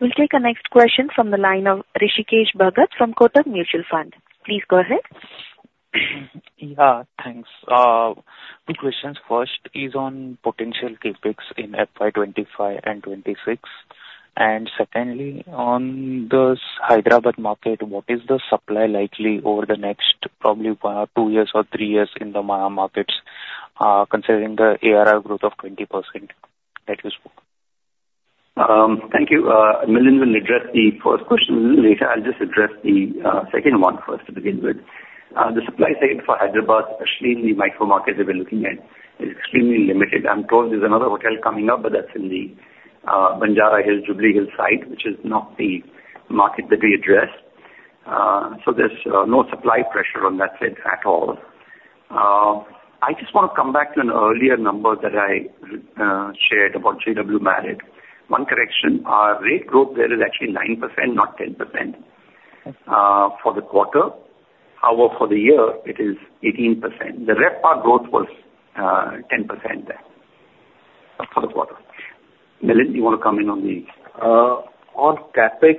We'll take a next question from the line of Rishikesh Bhagat from Kotak Mutual Fund. Please go ahead. Yeah. Thanks. Two questions. First is on potential CapEx in FY 2025 and 2026. Secondly, on the Hyderabad market, what is the supply likely over the next probably two years or three years in the major markets, considering the ARR growth of 20% that you spoke? Thank you. Milind will address the first question later. I'll just address the second one first to begin with. The supply side for Hyderabad, especially in the micro markets that we're looking at, is extremely limited. I'm told there's another hotel coming up, but that's in the Banjara Hills, Jubilee Hills side, which is not the market that we address. So there's no supply pressure on that side at all. I just want to come back to an earlier number that I shared about JW Marriott. One correction, our rate growth there is actually 9%, not 10% for the quarter. However, for the year, it is 18%. The RevPAR growth was 10% there for the quarter. Milind, do you want to come in on the? On CapEx,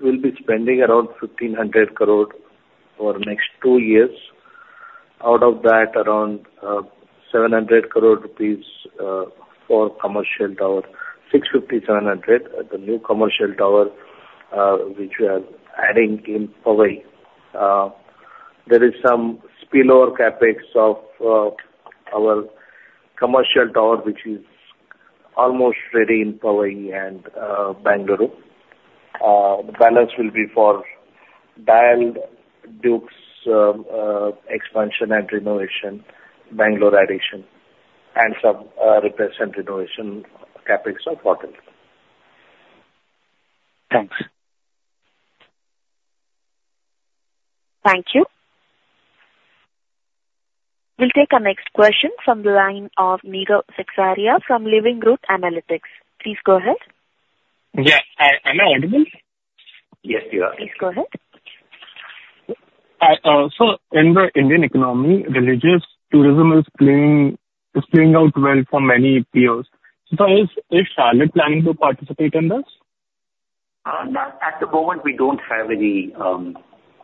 we'll be spending around 1,500 crore for the next two years. Out of that, around 700 crore rupees for commercial tower, 650-700 at the new commercial tower, which we are adding in Powai. There is some spillover CapEx of our commercial tower, which is almost ready in Powai and Bangalore. The balance will be for DIAL, Dukes expansion and renovation, Bangalore addition, and some repairs and renovation CapEx of hotels. Thanks. Thank you. We'll take a next question from the line of Nirav Seksaria from Living Root Analytics. Please go ahead. Yeah. Am I audible? Yes, you are. Please go ahead. So in the Indian economy, religious tourism is playing out well for many peers. Sir, is Chalet planning to participate in this? At the moment, we don't have anything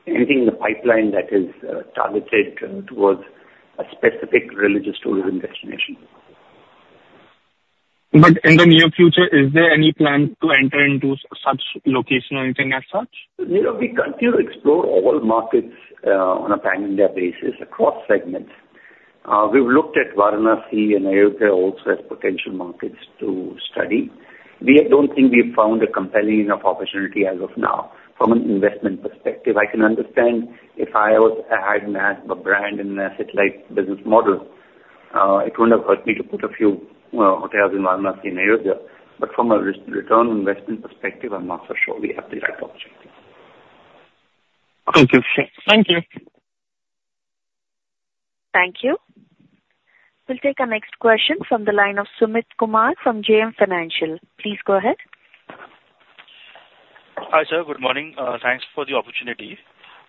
in the pipeline that is targeted towards a specific religious tourism destination. In the near future, is there any plan to enter into such location or anything as such? We continue to explore all markets on a pan-India basis across segments. We've looked at Varanasi and Ayodhya also as potential markets to study. We don't think we've found a compelling enough opportunity as of now from an investment perspective. I can understand if I had a brand and an asset-like business model, it wouldn't have hurt me to put a few hotels in Varanasi and Ayodhya. From a return on investment perspective, I'm not so sure we have the right objective. Thank you. Thank you. Thank you. We'll take a next question from the line of Sumit Kumar from JM Financial. Please go ahead. Hi, sir. Good morning. Thanks for the opportunity.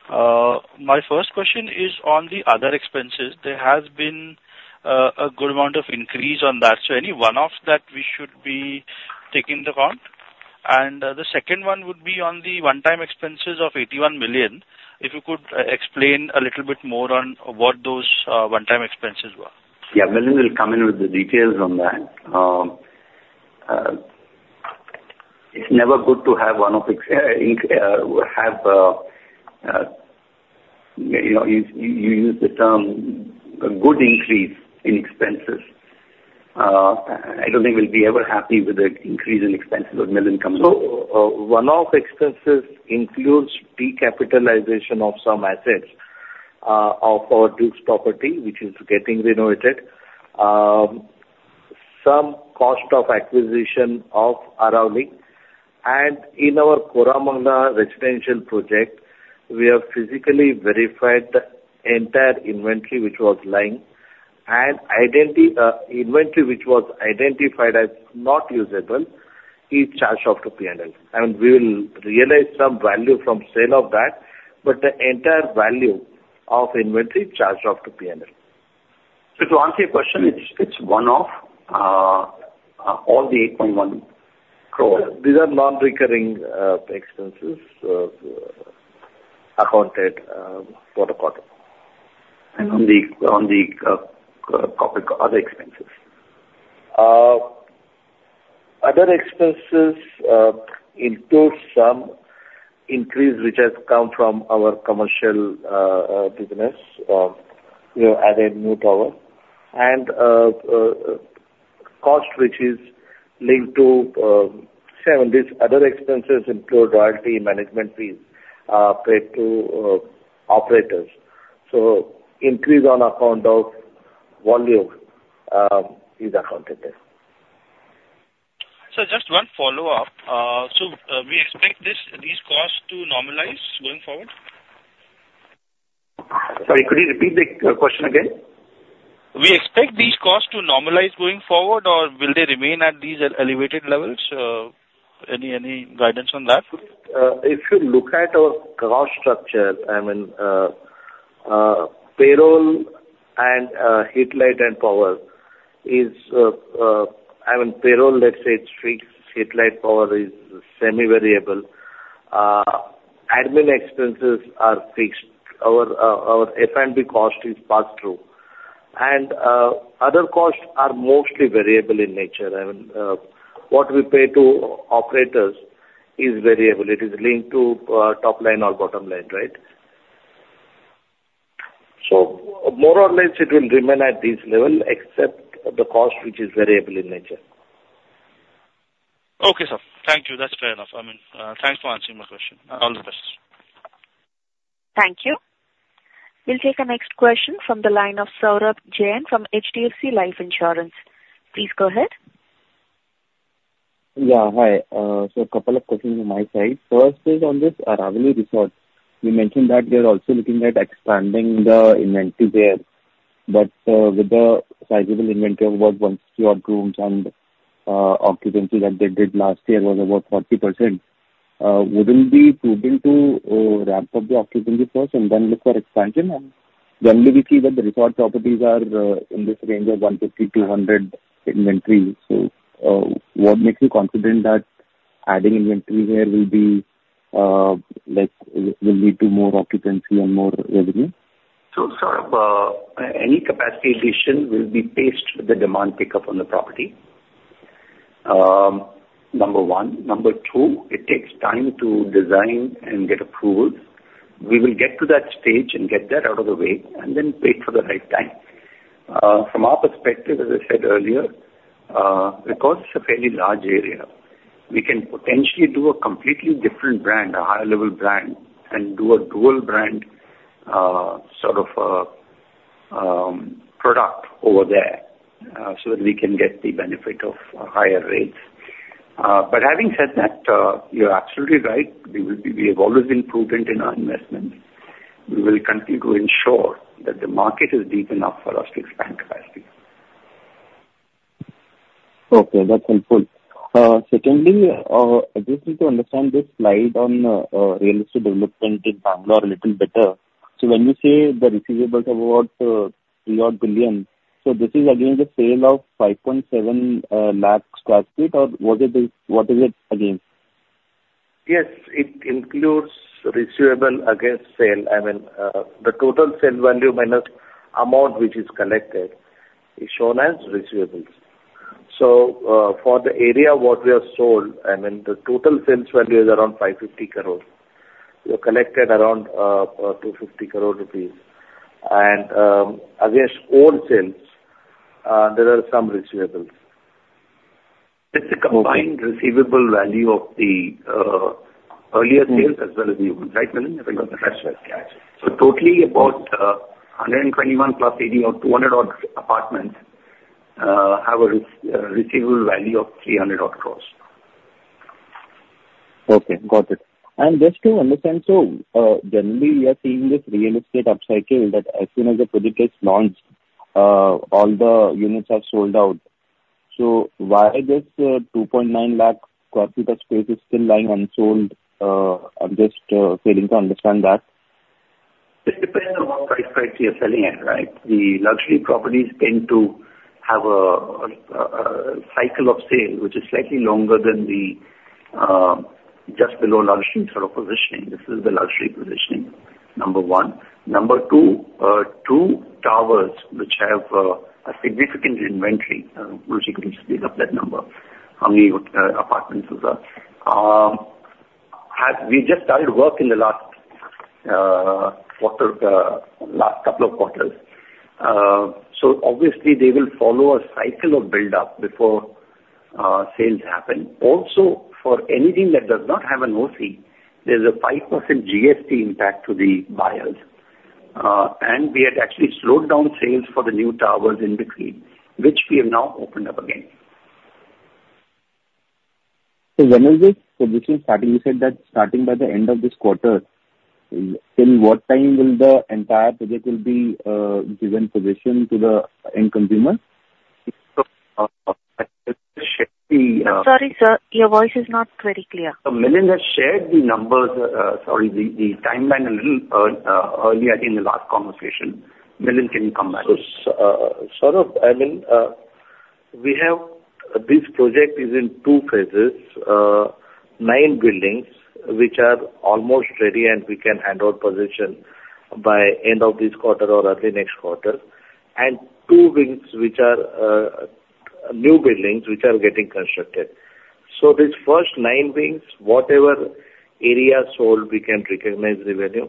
My first question is on the other expenses. There has been a good amount of increase on that. So any one-off that we should be taking into account? And the second one would be on the one-time expenses of 81 million. If you could explain a little bit more on what those one-time expenses were. Yeah. Milind will come in with the details on that. It's never good to have one-offs, however you use the term a good increase in expenses. I don't think we'll ever be happy with an increase in expenses when Milind comes in. So one-off expenses includes decapitalization of some assets of our Dukes property, which is getting renovated, some cost of acquisition of Aravali. And in our Koramangala residential project, we have physically verified the entire inventory which was lying. And inventory which was identified as not usable is charged off to P&L. And we will realize some value from sale of that, but the entire value of inventory is charged off to P&L. To answer your question, it's one-off, all the 8.1 crore? These are non-recurring expenses accounted for the quarter on the other expenses. Other expenses include some increase which has come from our commercial business as a new tower and cost which is linked to these. Other expenses include royalty management fees paid to operators. So increase on account of volume is accounted there. Sir, just one follow-up. We expect these costs to normalize going forward? Sorry. Could you repeat the question again? We expect these costs to normalize going forward, or will they remain at these elevated levels? Any guidance on that? If you look at our cost structure, I mean, payroll and heat, light, and power is—I mean, payroll, let's say it's fixed. Heat, light, power is semi-variable. Admin expenses are fixed. Our F&B cost is pass-through. And other costs are mostly variable in nature. I mean, what we pay to operators is variable. It is linked to top line or bottom line, right? So more or less, it will remain at this level except the cost which is variable in nature. Okay, sir. Thank you. That's fair enough. I mean, thanks for answering my question. All the best. Thank you. We'll take a next question from the line of Saurabh Jain from HDFC Life Insurance. Please go ahead. Yeah. Hi. So a couple of questions on my side. First is on this Aravali Resort. You mentioned that they're also looking at expanding the inventory there. But with the sizable inventory of about 160-odd rooms and occupancy that they did last year was about 40%, wouldn't it be prudent to ramp up the occupancy first and then look for expansion? And generally, we see that the resort properties are in this range of 150-200 inventory. So what makes you confident that adding inventory here will lead to more occupancy and more revenue? So Saurabh, any capacity addition will be paced with the demand pickup on the property, number one. Number two, it takes time to design and get approvals. We will get to that stage and get that out of the way and then wait for the right time. From our perspective, as I said earlier, because it's a fairly large area, we can potentially do a completely different brand, a higher-level brand, and do a dual-brand sort of product over there so that we can get the benefit of higher rates. But having said that, you're absolutely right. We have always been prudent in our investments. We will continue to ensure that the market is deep enough for us to expand capacity. Okay. That's helpful. Secondly, I just need to understand this slide on real estate development in Bangalore a little better. So when you say the receivables are about 3-odd billion, so this is, again, the sale of 5.7 lakhs square, or what is it again? Yes. It includes receivable against sale. I mean, the total sale value minus amount which is collected is shown as receivables. So for the area what we have sold, I mean, the total sales value is around 550 crore. We have collected around 250 crore rupees. And against all sales, there are some receivables. It's the combined receivable value of the earlier sales as well as the right, Milind? I think that's right. Yes, yes. Gotcha. Totally about 121 + 80 or 200-odd apartments have a receivable value of 300-odd crores. Okay. Got it. And just to understand, so generally, we are seeing this real estate upcycle that as soon as the project gets launched, all the units are sold out. So why this 2.9 lakh sq ft of space is still lying unsold? I'm just failing to understand that. It depends on what price point you're selling at, right? The luxury properties tend to have a cycle of sale which is slightly longer than the just below luxury sort of positioning. This is the luxury positioning, number one. Number two, two towers which have a significant inventory which you can just pick up that number, how many apartments those are. We just started work in the last quarter, last couple of quarters. So obviously, they will follow a cycle of buildup before sales happen. Also, for anything that does not have an OC, there's a 5% GST impact to the buyers. And we had actually slowed down sales for the new towers in between, which we have now opened up again. So when is this possession starting? You said that starting by the end of this quarter. In what time will the entire project be given possession to the end consumer? Sorry, sir. Your voice is not very clear. So, Milind has shared the numbers, sorry, the timeline a little earlier in the last conversation. Milind, can you come back? So Saurabh, I mean, this project is in two phases, nine buildings which are almost ready, and we can hand over possession by end of this quarter or early next quarter, and two wings which are new buildings which are getting constructed. So these first nine wings, whatever area sold, we can recognize revenue.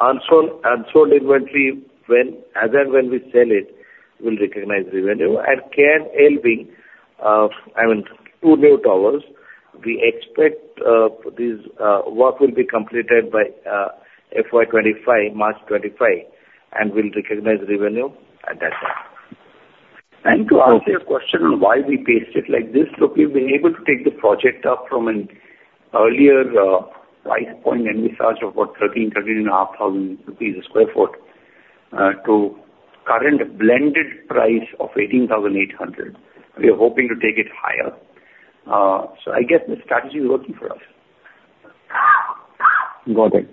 Unsold inventory, as and when we sell it, we'll recognize revenue. And KL wing, I mean, two new towers, we expect what will be completed by FY 2025, March 2025, and we'll recognize revenue at that time. And to answer your question on why we paced it like this, so if we've been able to take the project up from an earlier price point in this area of about 13,000-13,500 per sq ft to current blended price of 18,800 per sq ft, we are hoping to take it higher. So I guess the strategy is working for us. Got it.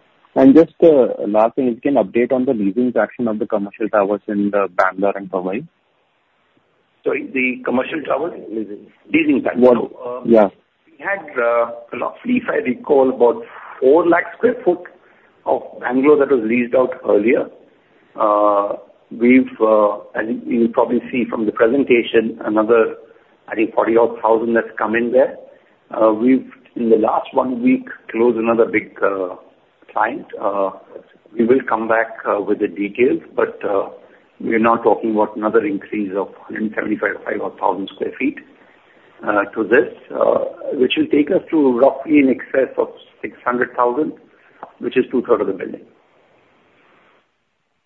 Just the last thing, is there an update on the leasing facet of the commercial towers in Bangalore and Powai? Sorry, the commercial towers? Leasing. Leasing traction. Yeah. We had roughly, if I recall, about 400,000 sq ft of Bengaluru that was leased out earlier. You'll probably see from the presentation another, I think, 40,000-odd that's come in there. We've, in the last 1 week, closed another big client. We will come back with the details, but we are now talking about another increase of 175,000-odd sq ft to this, which will take us to roughly an excess of 600,000, which is two-thirds of the building.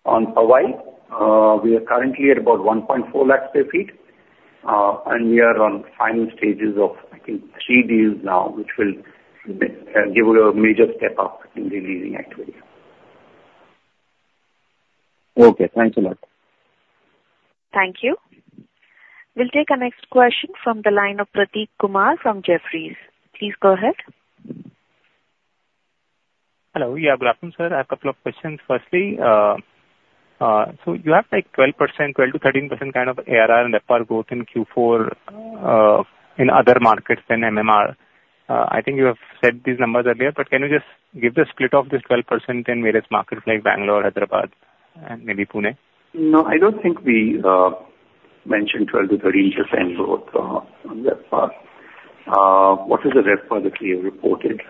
On Powai, we are currently at about 140,000 sq ft, and we are on final stages of, I think, three deals now which will give us a major step up in the leasing activity. Okay. Thanks a lot. Thank you. We'll take a next question from the line of Prateek Kumar from Jefferies. Please go ahead. Hello. Yeah. Good afternoon, sir. I have a couple of questions. Firstly, so you have 12%, 12%-13% kind of ARR and RevPAR growth in Q4 in other markets than MMR. I think you have said these numbers earlier, but can you just give the split of this 12% in various markets like Bangalore, Hyderabad, and maybe Pune? No, I don't think we mentioned 12%-13% growth on that part. What is the RevPAR for the three reported?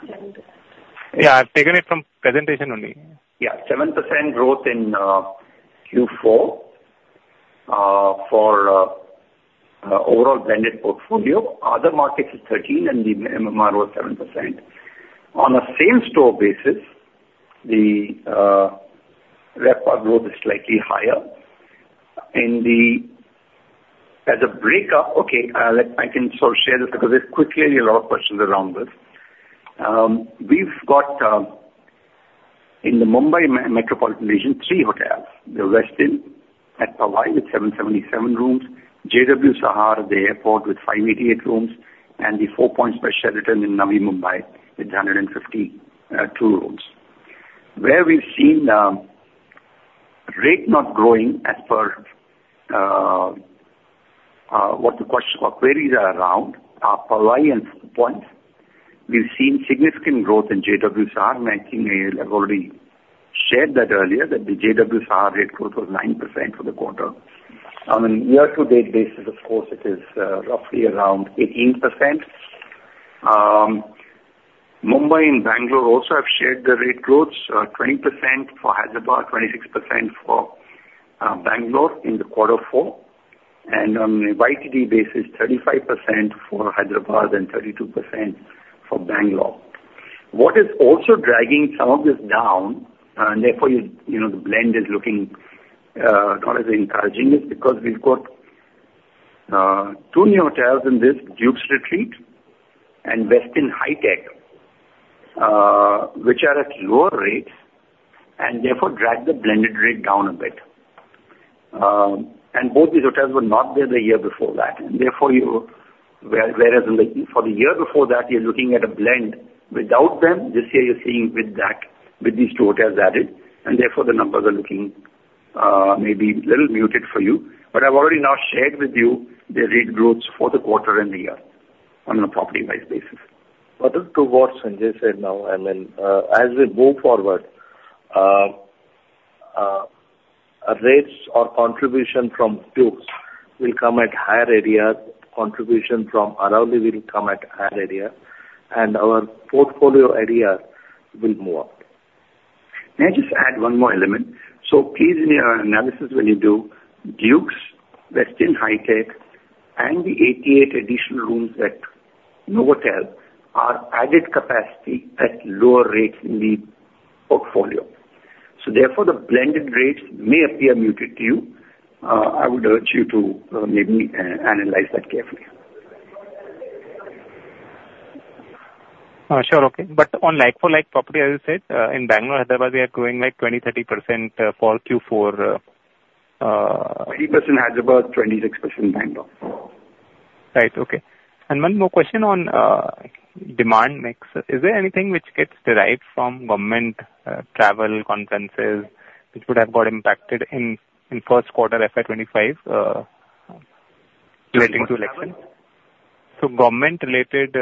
Yeah. I've taken it from presentation only. Yeah. 7% growth in Q4 for overall blended portfolio. Other markets is 13%, and the MMR was 7%. On a same-store basis, the RevPAR for growth is slightly higher. As a breakup, okay, I can sort of share this because there's quickly a lot of questions around this. We've got, in the Mumbai Metropolitan Region, three hotels: the Westin at Powai with 777 rooms, JW Sahar at the airport with 588 rooms, and the Four Points by Sheraton in Navi Mumbai with 152 rooms. Where we've seen the rate not growing as per what the question or queries are around are Powai and Four Points. We've seen significant growth in JW Sahar. I think I've already shared that earlier, that the JW Sahar rate growth was 9% for the quarter. On a year-to-date basis, of course, it is roughly around 18%. Mumbai and Bangalore also have shared the rate growths: 20% for Hyderabad, 26% for Bangalore in the quarter four. On a YTD basis, 35% for Hyderabad and 32% for Bangalore. What is also dragging some of this down, and therefore, the blend is looking not as encouraging is because we've got two new hotels in this, Dukes Retreat and Westin Hitec, which are at lower rates and therefore drag the blended rate down a bit. Both these hotels were not there the year before that. Therefore, whereas for the year before that, you're looking at a blend. Without them, this year, you're seeing with these two hotels added, and therefore, the numbers are looking maybe a little muted for you. I've already now shared with you the rate growths for the quarter and the year on a property-wise basis. Over to Sanjay Sethi now, I mean, as we move forward, rates or contribution from Dukes will come at higher ARR. Contribution from Aravali will come at higher ARR. And our portfolio ARR will move up. May I just add one more element? So please, in your analysis, when you do Dukes, Westin Hitec City, and the 88 additional rooms at Novotel are added capacity at lower rates in the portfolio. So therefore, the blended rates may appear muted to you. I would urge you to maybe analyze that carefully. Sure. Okay. But on like-for-like property, as you said, in Bangalore, Hyderabad, we are growing 20%-30% for Q4. 20% Hyderabad, 26% Bangalore. Right. Okay. And one more question on demand mix. Is there anything which gets derived from government travel conferences which would have got impacted in first quarter FY 2025 relating to elections? So government-related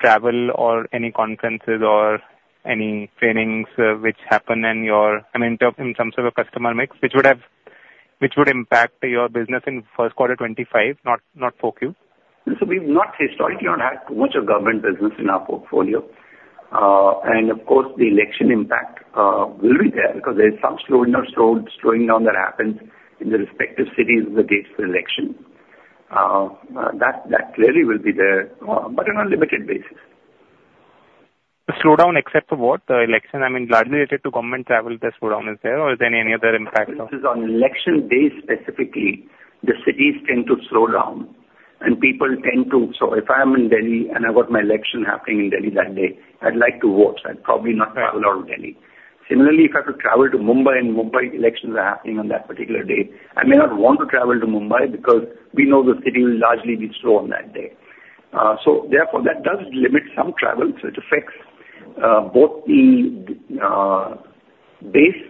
travel or any conferences or any trainings which happen in your, I mean, in terms of a customer mix which would impact your business in first quarter 2025, not 4Q? We've not historically not had too much of government business in our portfolio. Of course, the election impact will be there because there's some slowing down that happens in the respective cities with the dates for election. That clearly will be there but on a limited basis. The slowdown, except for what? The election? I mean, largely related to government travel. The slowdown is there, or is there any other impact of? This is on election day specifically. The cities tend to slow down, and people tend to, so if I am in Delhi and I've got my election happening in Delhi that day, I'd like to vote. I'd probably not travel out of Delhi. Similarly, if I could travel to Mumbai and Mumbai elections are happening on that particular day, I may not want to travel to Mumbai because we know the city will largely be slow on that day. So therefore, that does limit some travel. So it affects both the base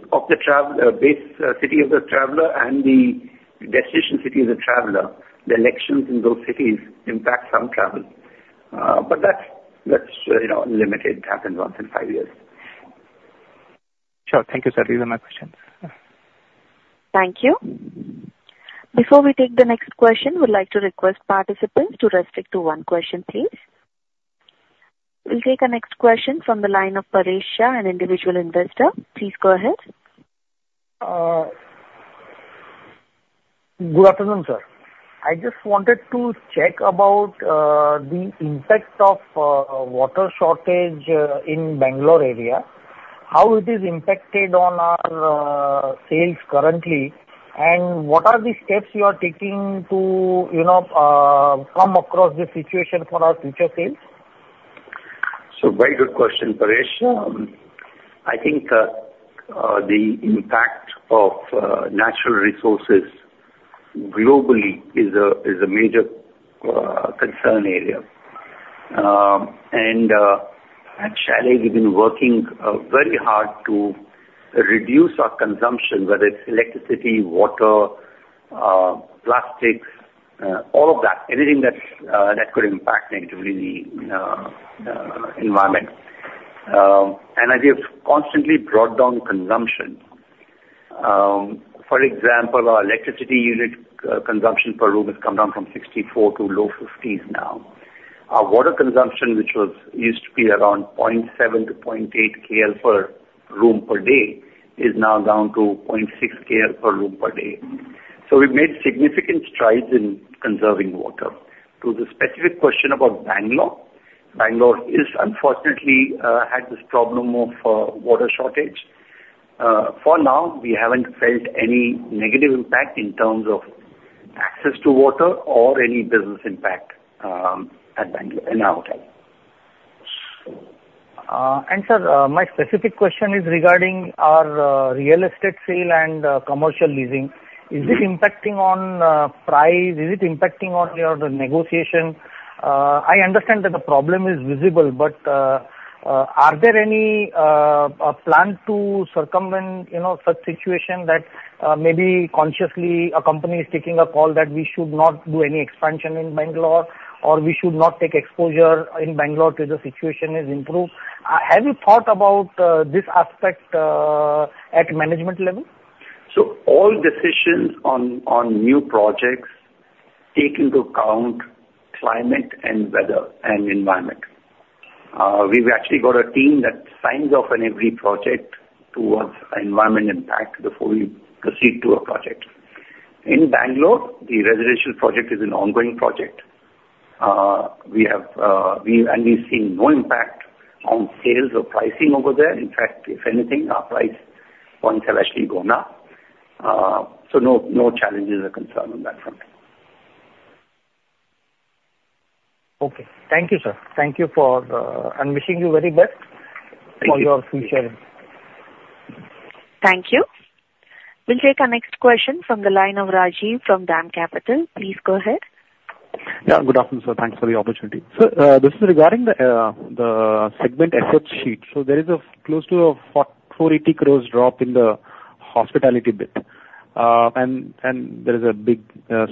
city of the traveler and the destination city of the traveler. The elections in those cities impact some travel. But that's limited. It happens once in five years. Sure. Thank you, sir. These are my questions. Thank you. Before we take the next question, we'd like to request participants to restrict to one question, please. We'll take a next question from the line of Paresh Shah, an individual investor. Please go ahead. Good afternoon, sir. I just wanted to check about the impact of water shortage in Bangalore area, how it is impacted on our sales currently, and what are the steps you are taking to come across this situation for our future sales? So very good question, Paresh. I think the impact of natural resources globally is a major concern area. At Chalet, we've been working very hard to reduce our consumption, whether it's electricity, water, plastics, all of that, anything that could impact negatively the environment. As we have constantly brought down consumption, for example, our electricity unit consumption per room has come down from 64 to low 50s now. Our water consumption, which used to be around 0.7-0.8 KL per room per day, is now down to 0.6 KL per room per day. So we've made significant strides in conserving water. To the specific question about Bangalore, Bangalore unfortunately had this problem of water shortage. For now, we haven't felt any negative impact in terms of access to water or any business impact in our hotel. Sir, my specific question is regarding our real estate sale and commercial leasing. Is it impacting on price? Is it impacting on your negotiation? I understand that the problem is visible, but are there any plans to circumvent such situation that maybe consciously a company is taking a call that we should not do any expansion in Bangalore or we should not take exposure in Bangalore to the situation is improved? Have you thought about this aspect at management level? So all decisions on new projects take into account climate and weather and environment. We've actually got a team that signs off on every project towards environment impact before we proceed to a project. In Bangalore, the residential project is an ongoing project, and we've seen no impact on sales or pricing over there. In fact, if anything, our price points have actually gone up. So no challenges or concerns on that front. Okay. Thank you, sir. Thank you for and wishing you very best for your future. Thank you. We'll take a next question from the line of Rajiv from DAM Capital. Please go ahead. Yeah. Good afternoon, sir. Thanks for the opportunity. This is regarding the segment assets sheet. There is close to a 480 crore drop in the hospitality bit, and there is a big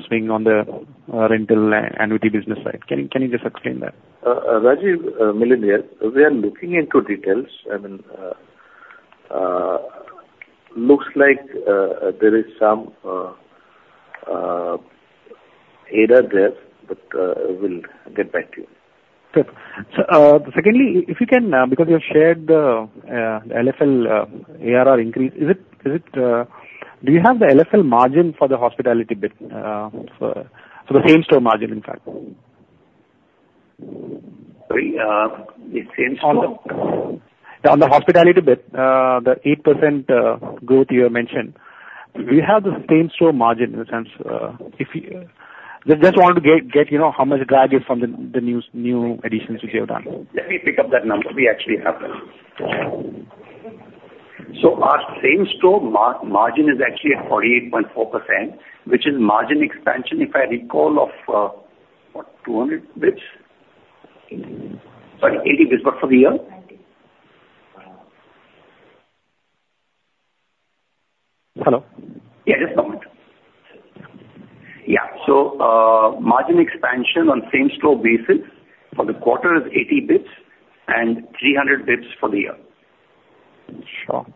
swing on the rental and annuity business side. Can you just explain that? Rajiv, Milind here. We are looking into details. I mean, looks like there is some error there, but we'll get back to you. Good. So secondly, if you can, because you have shared the LFL ARR increase, do you have the LFL margin for the hospitality bit, for the same-store margin, in fact? Sorry? The same-store? On the hospitality bit, the 8% growth you mentioned, do you have the same-store margin in a sense? I just wanted to get how much drag is from the new additions which you have done. Let me pick up that number. We actually have that. So our same-store margin is actually at 48.4%, which is margin expansion, if I recall, of what, 200 basis points? Sorry, 80 basis points, but for the year? Hello? So margin expansion on same-store basis for the quarter is 80 basis points and 300 basis points for the year. Sure.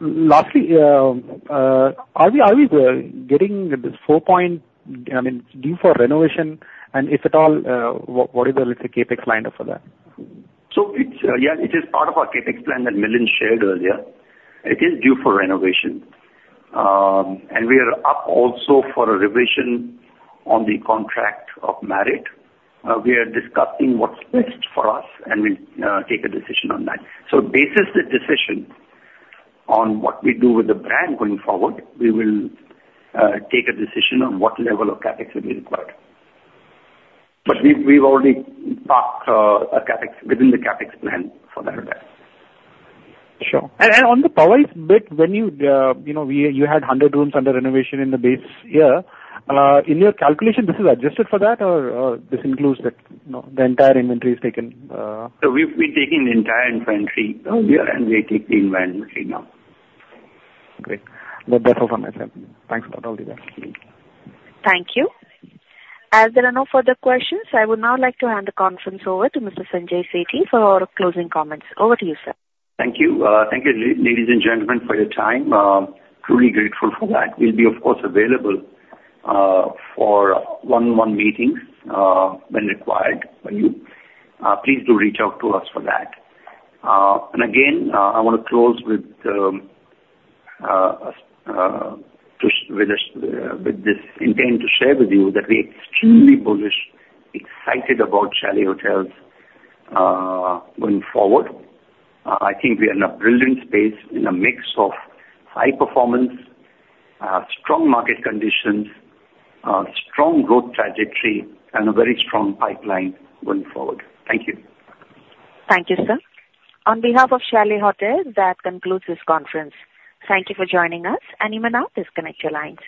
Lastly, are we getting this Four Points I mean, due for renovation, and if at all, what is the, let's say, CapEx lineup for that? So yeah, it is part of our CapEx plan that Milind shared earlier. It is due for renovation. We are up also for a revision on the contract of Marriott. We are discussing what's best for us, and we'll take a decision on that. So based on the decision on what we do with the brand going forward, we will take a decision on what level of CapEx will be required. We've already packed within the CapEx plan for that already. Sure. On the Powai bit, when you had 100 rooms under renovation in the base year, in your calculation, this is adjusted for that, or this includes that the entire inventory is taken? We've been taking the entire inventory over the year, and we take the inventory now. Great. That's all from my side. Thanks for all the data. Thank you. As there are no further questions, I would now like to hand the conference over to Mr. Sanjay Sethi for our closing comments. Over to you, sir. Thank you. Thank you, ladies and gentlemen, for your time. Truly grateful for that. We'll be, of course, available for one-on-one meetings when required by you. Please do reach out to us for that. And again, I want to close with this intent to share with you that we're extremely bullish, excited about Chalet Hotels going forward. I think we are in a brilliant space in a mix of high performance, strong market conditions, strong growth trajectory, and a very strong pipeline going forward. Thank you. Thank you, sir. On behalf of Chalet Hotels, that concludes this conference. Thank you for joining us. You may now disconnect your lines.